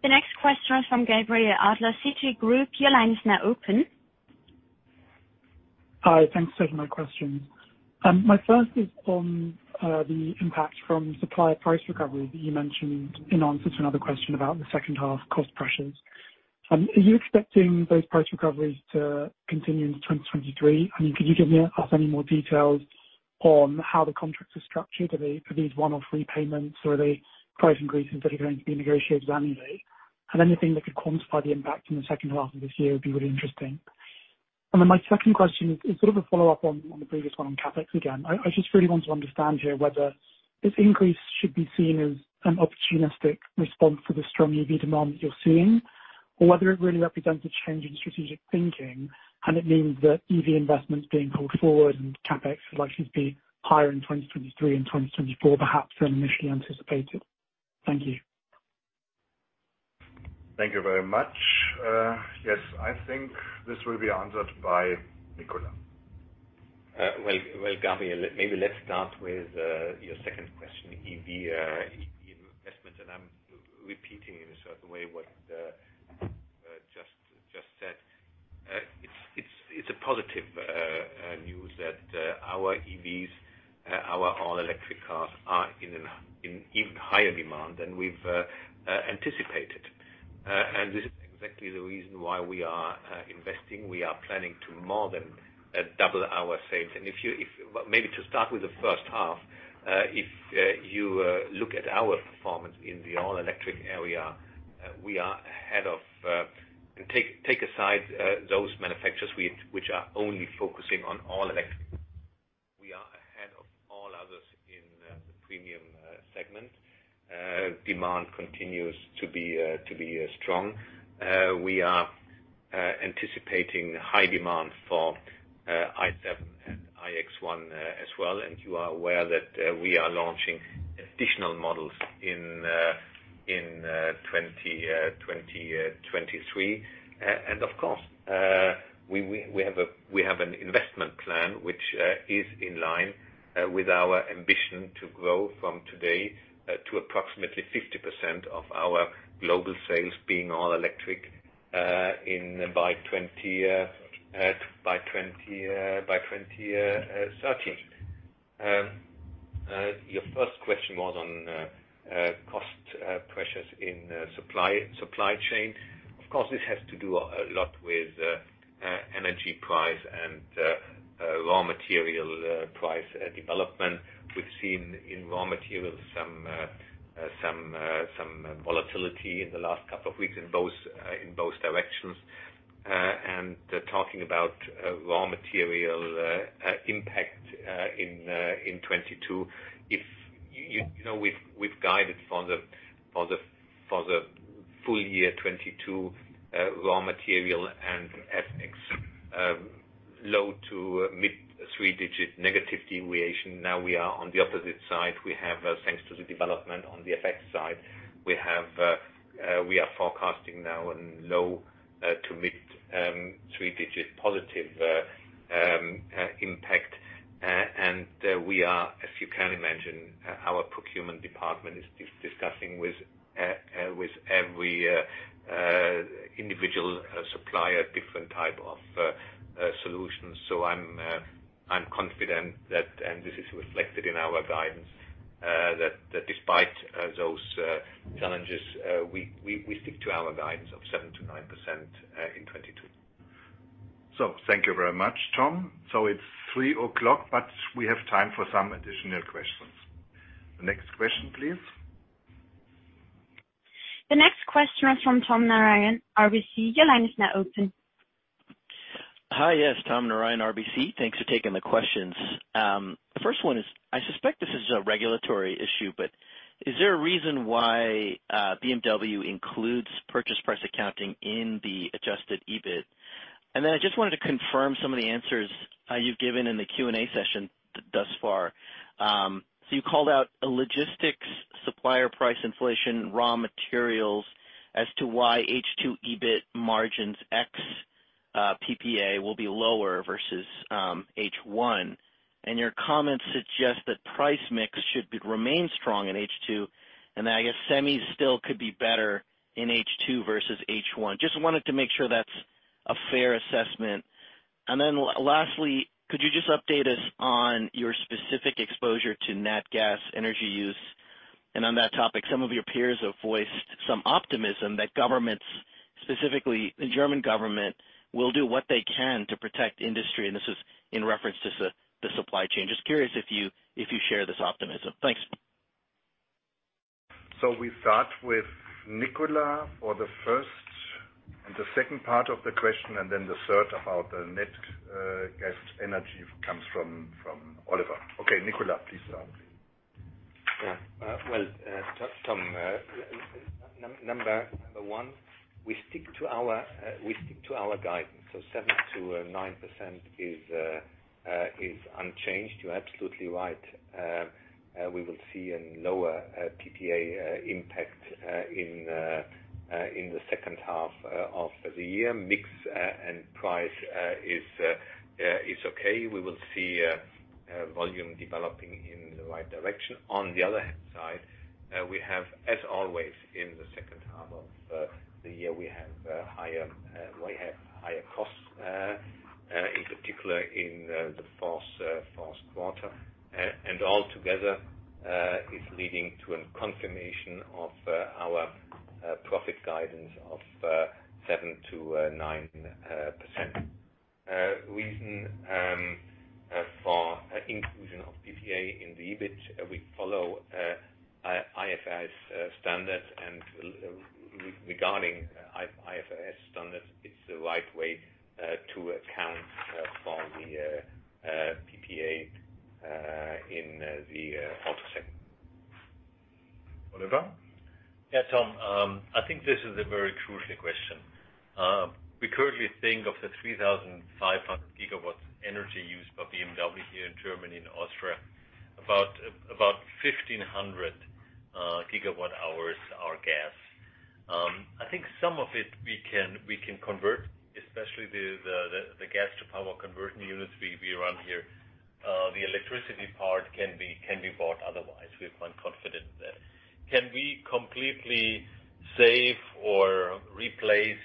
The next question is from Gabriel Adler, Citigroup. Your line is now open. Hi. Thanks for taking my question. My first is on the impact from supplier price recovery that you mentioned in answer to another question about the second half cost pressures. Are you expecting those price recoveries to continue into 2023? I mean, could you give me us any more details on how the contracts are structured? Are these one-off repayments, or are they price increases that are going to be negotiated annually? Anything that could quantify the impact in the second half of this year would be really interesting. My second question is sort of a follow-up on the previous one on CapEx again. I just really want to understand here whether this increase should be seen as an opportunistic response for the strong EV demand that you're seeing, or whether it really represents a change in strategic thinking, and it means that EV investments being pulled forward and CapEx is likely to be higher in 2023 and 2024 perhaps than initially anticipated. Thank you. Thank you very much. Yes. I think this will be answered by Nicolas. Well, Gabriel, maybe let's start with your second question, EV investment, and I'm repeating in a certain way what just said. It's a positive news that our EVs, our all-electric cars are in an even higher demand than we've anticipated. This is exactly the reason why we are investing. We are planning to more than double our sales. Well, maybe to start with the first half, if you look at our performance in the all-electric area, we are ahead of. Take aside those manufacturers which are only focusing on all-electric. We are ahead of all others in the premium segment. Demand continues to be strong. We are anticipating high demand for i7 and iX1, as well. You are aware that we are launching additional models in 2023. Of course, we have an investment plan which is in line with our ambition to grow from today to approximately 50% of our global sales being all electric by 2030. Your first question was on cost pressures in supply chain. Of course, this has to do a lot with energy price and raw material price development. We've seen in raw materials some volatility in the last couple of weeks in both directions. Talking about raw material impact in 2022. If you know, we've guided for the full year 2022 raw material and CapEx low- to mid-three-digit negative deviation. Now we are on the opposite side. We have thanks to the development on the FX side, we are forecasting now low- to mid-three-digit positive impact. We are, as you can imagine, our procurement department is discussing with every individual supplier different type of solutions. I'm confident that, and this is reflected in our guidance, that despite those challenges, we stick to our guidance of 7%-9% in 2022. Thank you very much, Tom. It's 3:00 P.M., but we have time for some additional questions. The next question, please. The next question is from Tom Narayan, RBC. Your line is now open. Hi. Yes, Tom Narayan, RBC. Thanks for taking the questions. The first one is, I suspect this is a regulatory issue, but is there a reason why BMW includes purchase price accounting in the adjusted EBIT? Then I just wanted to confirm some of the answers you've given in the Q&A session thus far. So you called out a logistics supplier price inflation raw materials as to why H2 EBIT margins ex PPA will be lower versus H1. Your comments suggest that price mix should remain strong in H2, and I guess semis still could be better in H2 versus H1. Just wanted to make sure that's a fair assessment. Then lastly, could you just update us on your specific exposure to nat gas energy use? On that topic, some of your peers have voiced some optimism that governments, specifically the German government, will do what they can to protect industry, and this is in reference to the supply chain. Just curious if you share this optimism. Thanks. We start with Nicolas for the first and the second part of the question, and then the third about the nat gas energy comes from Oliver. Okay, Nicolas, please start. Yeah. Well, Tom, number one, we stick to our guidance. 7%-9% is unchanged. You're absolutely right. We will see a lower PPA impact in the second half of the year. Mix and price is okay. We will see volume developing in the right direction. On the other side, we have, as always, in the second half of the year, higher costs, in particular in the fourth quarter. Altogether is leading to a confirmation of our profit guidance of 7%-9%. Reason for inclusion of PPA in the EBIT, we follow IFRS standard and regarding IFRS standard, it's the right way to account for the PPA in the auto segment. Oliver? Yeah, Tom, I think this is a very crucial question. We currently think of the 3,500 GWh energy used by BMW here in Germany and Austria, about 1,500 GWh are gas. I think some of it we can convert, especially the gas to power conversion units we run here. The electricity part can be bought otherwise. We're quite confident there. Can we completely save or replace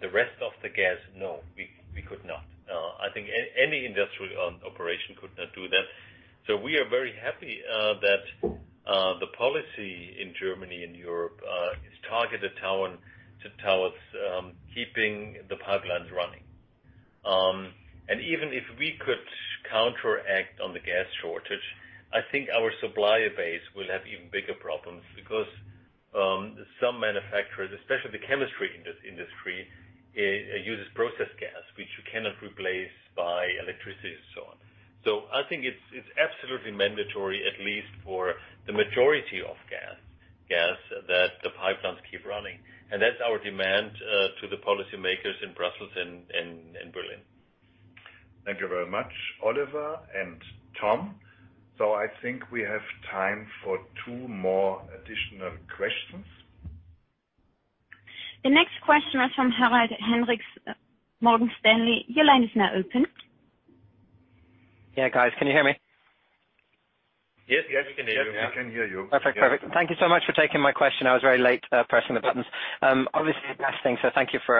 the rest of the gas? No, we could not. I think any industrial operation could not do that. We are very happy that the policy in Germany and Europe is targeted towards keeping the pipelines running. Even if we could counteract on the gas shortage, I think our supplier base will have even bigger problems because some manufacturers, especially the chemistry industry, uses process gas, which you cannot replace by electricity and so on. I think it's absolutely mandatory, at least for the majority of gas, that the pipelines keep running. That's our demand to the policymakers in Brussels and Berlin. Thank you very much, Oliver and Tom. I think we have time for two more additional questions. The next question is from Harald Hendrikse, Morgan Stanley. Your line is now open. Yeah, guys, can you hear me? Yes, yes, we can hear you. Yes, we can hear you. Perfect. Thank you so much for taking my question. I was very late pressing the buttons. Obviously the best thing, so thank you for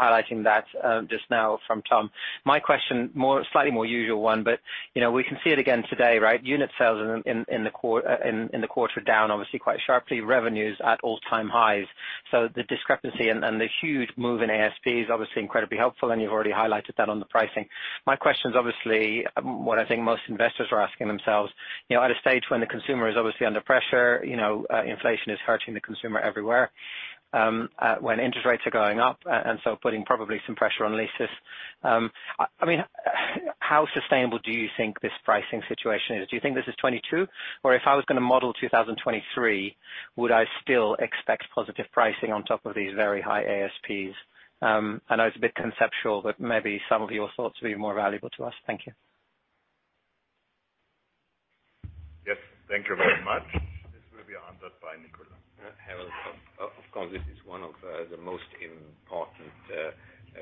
highlighting that just now from Tom. My question, slightly more usual one, but you know, we can see it again today, right? Unit sales in the quarter are down obviously quite sharply, revenues at all-time highs. The discrepancy and the huge move in ASP is obviously incredibly helpful, and you've already highlighted that on the pricing. My question is obviously what I think most investors are asking themselves. You know, at a stage when the consumer is obviously under pressure, you know, inflation is hurting the consumer everywhere, when interest rates are going up, and so putting probably some pressure on leases. I mean, how sustainable do you think this pricing situation is? Do you think this is 2022? Or if I was gonna model 2023, would I still expect positive pricing on top of these very high ASPs? I know it's a bit conceptual, but maybe some of your thoughts will be more valuable to us. Thank you. Yes. Thank you very much. This will be answered by Nicolas. Harald, of course, this is one of the most important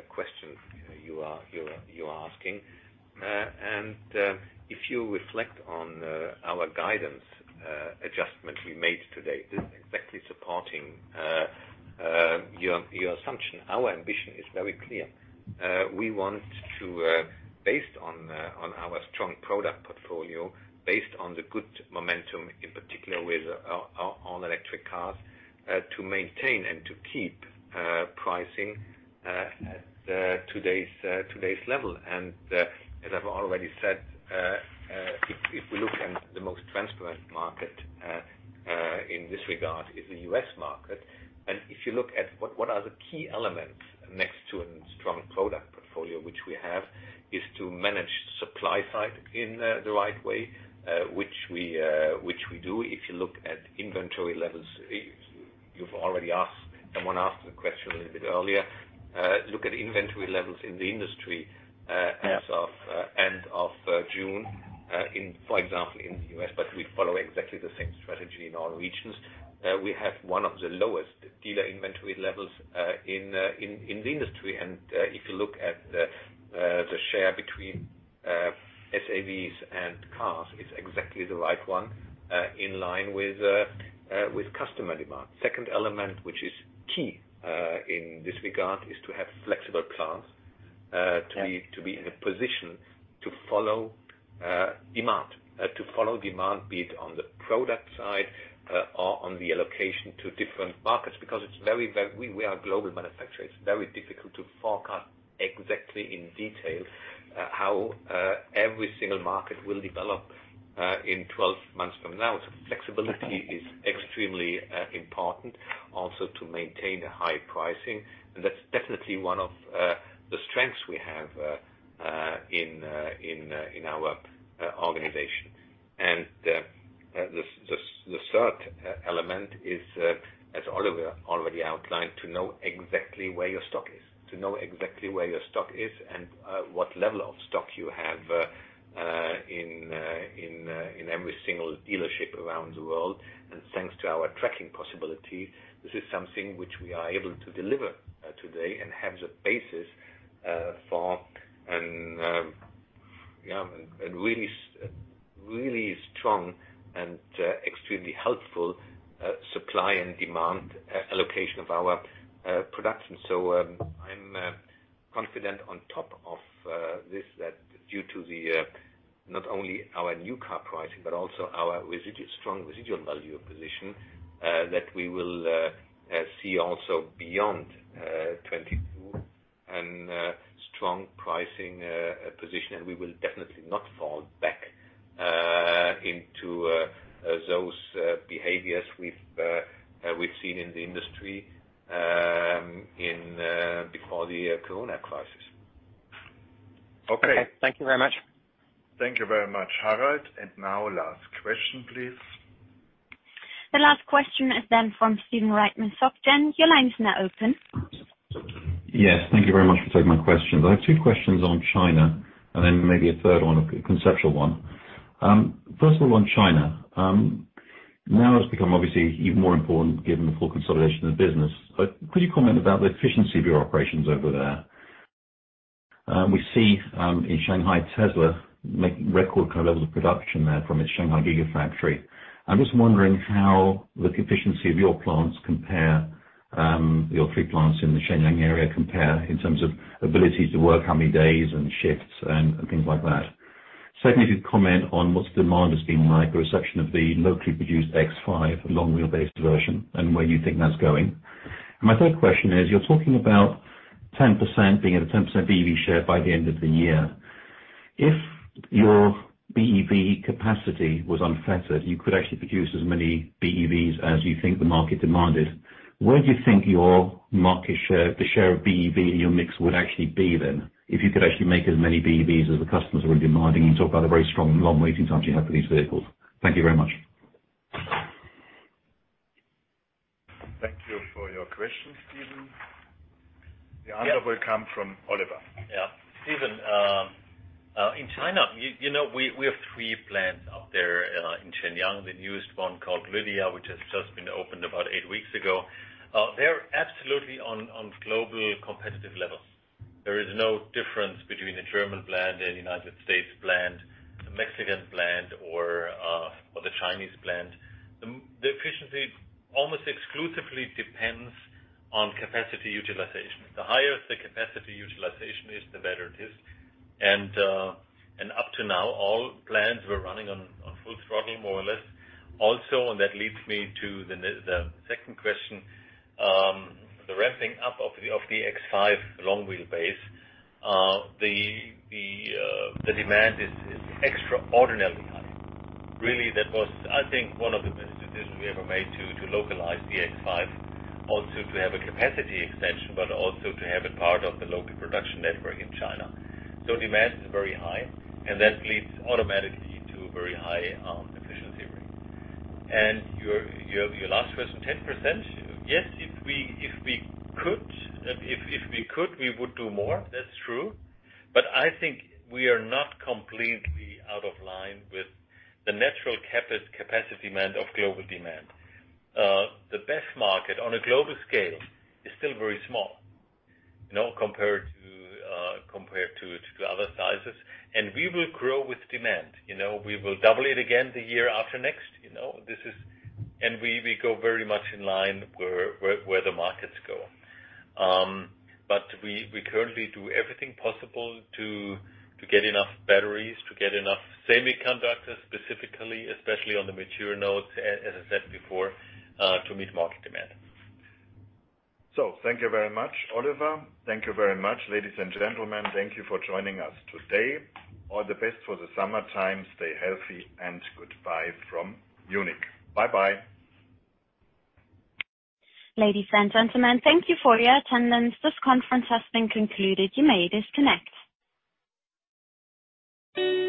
questions you are asking. If you reflect on our guidance adjustment we made today, this is exactly supporting your assumption. Our ambition is very clear. We want to, based on our strong product portfolio, based on the good momentum, in particular with our electric cars, to maintain and to keep pricing at today's level. As I've already said, if we look at the most transparent market in this regard is the U.S. market. If you look at what are the key elements next to a strong product portfolio which we have, is to manage supply side in the right way, which we do. If you look at inventory levels, you've already asked, someone asked the question a little bit earlier, look at inventory levels in the industry. Yes. As of end of June, for example in the U.S., but we follow exactly the same strategy in all regions. We have one of the lowest dealer inventory levels in the industry. If you look at the share between SAVs and cars, it's exactly the right one in line with customer demand. Second element, which is key in this regard, is to have flexible plans. Yes. To be in a position to follow demand. To follow demand, be it on the product side or on the allocation to different markets, because we are a global manufacturer. It's very difficult to forecast exactly in detail how every single market will develop in 12 months from now. Flexibility is extremely important also to maintain a high pricing. That's definitely one of the strengths we have in our organization. The third element is, as Oliver already outlined, to know exactly where your stock is and what level of stock you have in every single dealership around the world. Thanks to our tracking possibility, this is something which we are able to deliver today and have the basis for a really strong and extremely helpful supply and demand allocation of our production. I'm confident on top of this that due to not only our new car pricing, but also our strong residual value position that we will see also beyond twenty. Strong pricing position, and we will definitely not fall back into those behaviors we've seen in the industry before the COVID crisis. Okay. Thank you very much. Thank you very much, Harald. Now last question, please. The last question is then from Stephen Reitman from Société Générale. Your line is now open. Yes. Thank you very much for taking my questions. I have two questions on China, and then maybe a third one, a conceptual one. First of all, on China. Now it's become obviously even more important given the full consolidation of the business. But could you comment about the efficiency of your operations over there? We see, in Shanghai, Tesla making record levels of production there from its Shanghai Gigafactory. I'm just wondering how the efficiency of your plants compare, your three plants in the Shenyang area compare in terms of ability to work, how many days and shifts and things like that. Secondly, could you comment on what the demand has been like, the reception of the locally produced X5 long-wheelbase version, and where you think that's going. My third question is you're talking about 10% being at a 10% BEV share by the end of the year. If your BEV capacity was unfettered, you could actually produce as many BEVs as you think the market demanded. Where do you think your market share, the share of BEV in your mix would actually be then, if you could actually make as many BEVs as the customers are demanding? You talk about the very strong long waiting times you have for these vehicles. Thank you very much. Thank you for your question, Stephen. The answer will come from Oliver. Yeah. Stephen, in China, you know, we have three plants out there, in Shenyang, the newest one called Lydia, which has just been opened about eight weeks ago. They're absolutely on global competitive levels. There is no difference between a German plant, a United States plant, a Mexican plant or the Chinese plant. The efficiency almost exclusively depends on capacity utilization. The higher the capacity utilization is, the better it is. Up to now, all plants were running on full throttle, more or less. That leads me to the second question, the ramping up of the X5 long-wheelbase. The demand is extraordinarily high. Really, that was, I think, one of the best decisions we ever made to localize the X5, also to have a capacity extension, but also to have it part of the local production network in China. Demand is very high, and that leads automatically to a very high efficiency rate. Your last question, 10%. Yes, if we could, we would do more. That's true. I think we are not completely out of line with the natural capacity demand of global demand. The BEV market on a global scale is still very small, you know, compared to other sizes. We will grow with demand. You know, we will double it again the year after next. You know, this is. We go very much in line with where the markets go. We currently do everything possible to get enough batteries, to get enough semiconductors, specifically, especially on the mature nodes, as I said before, to meet market demand. Thank you very much, Oliver. Thank you very much, ladies and gentlemen. Thank you for joining us today. All the best for the summertime. Stay healthy, and goodbye from Munich. Bye-bye. Ladies and gentlemen, thank you for your attendance. This conference has been concluded. You may disconnect.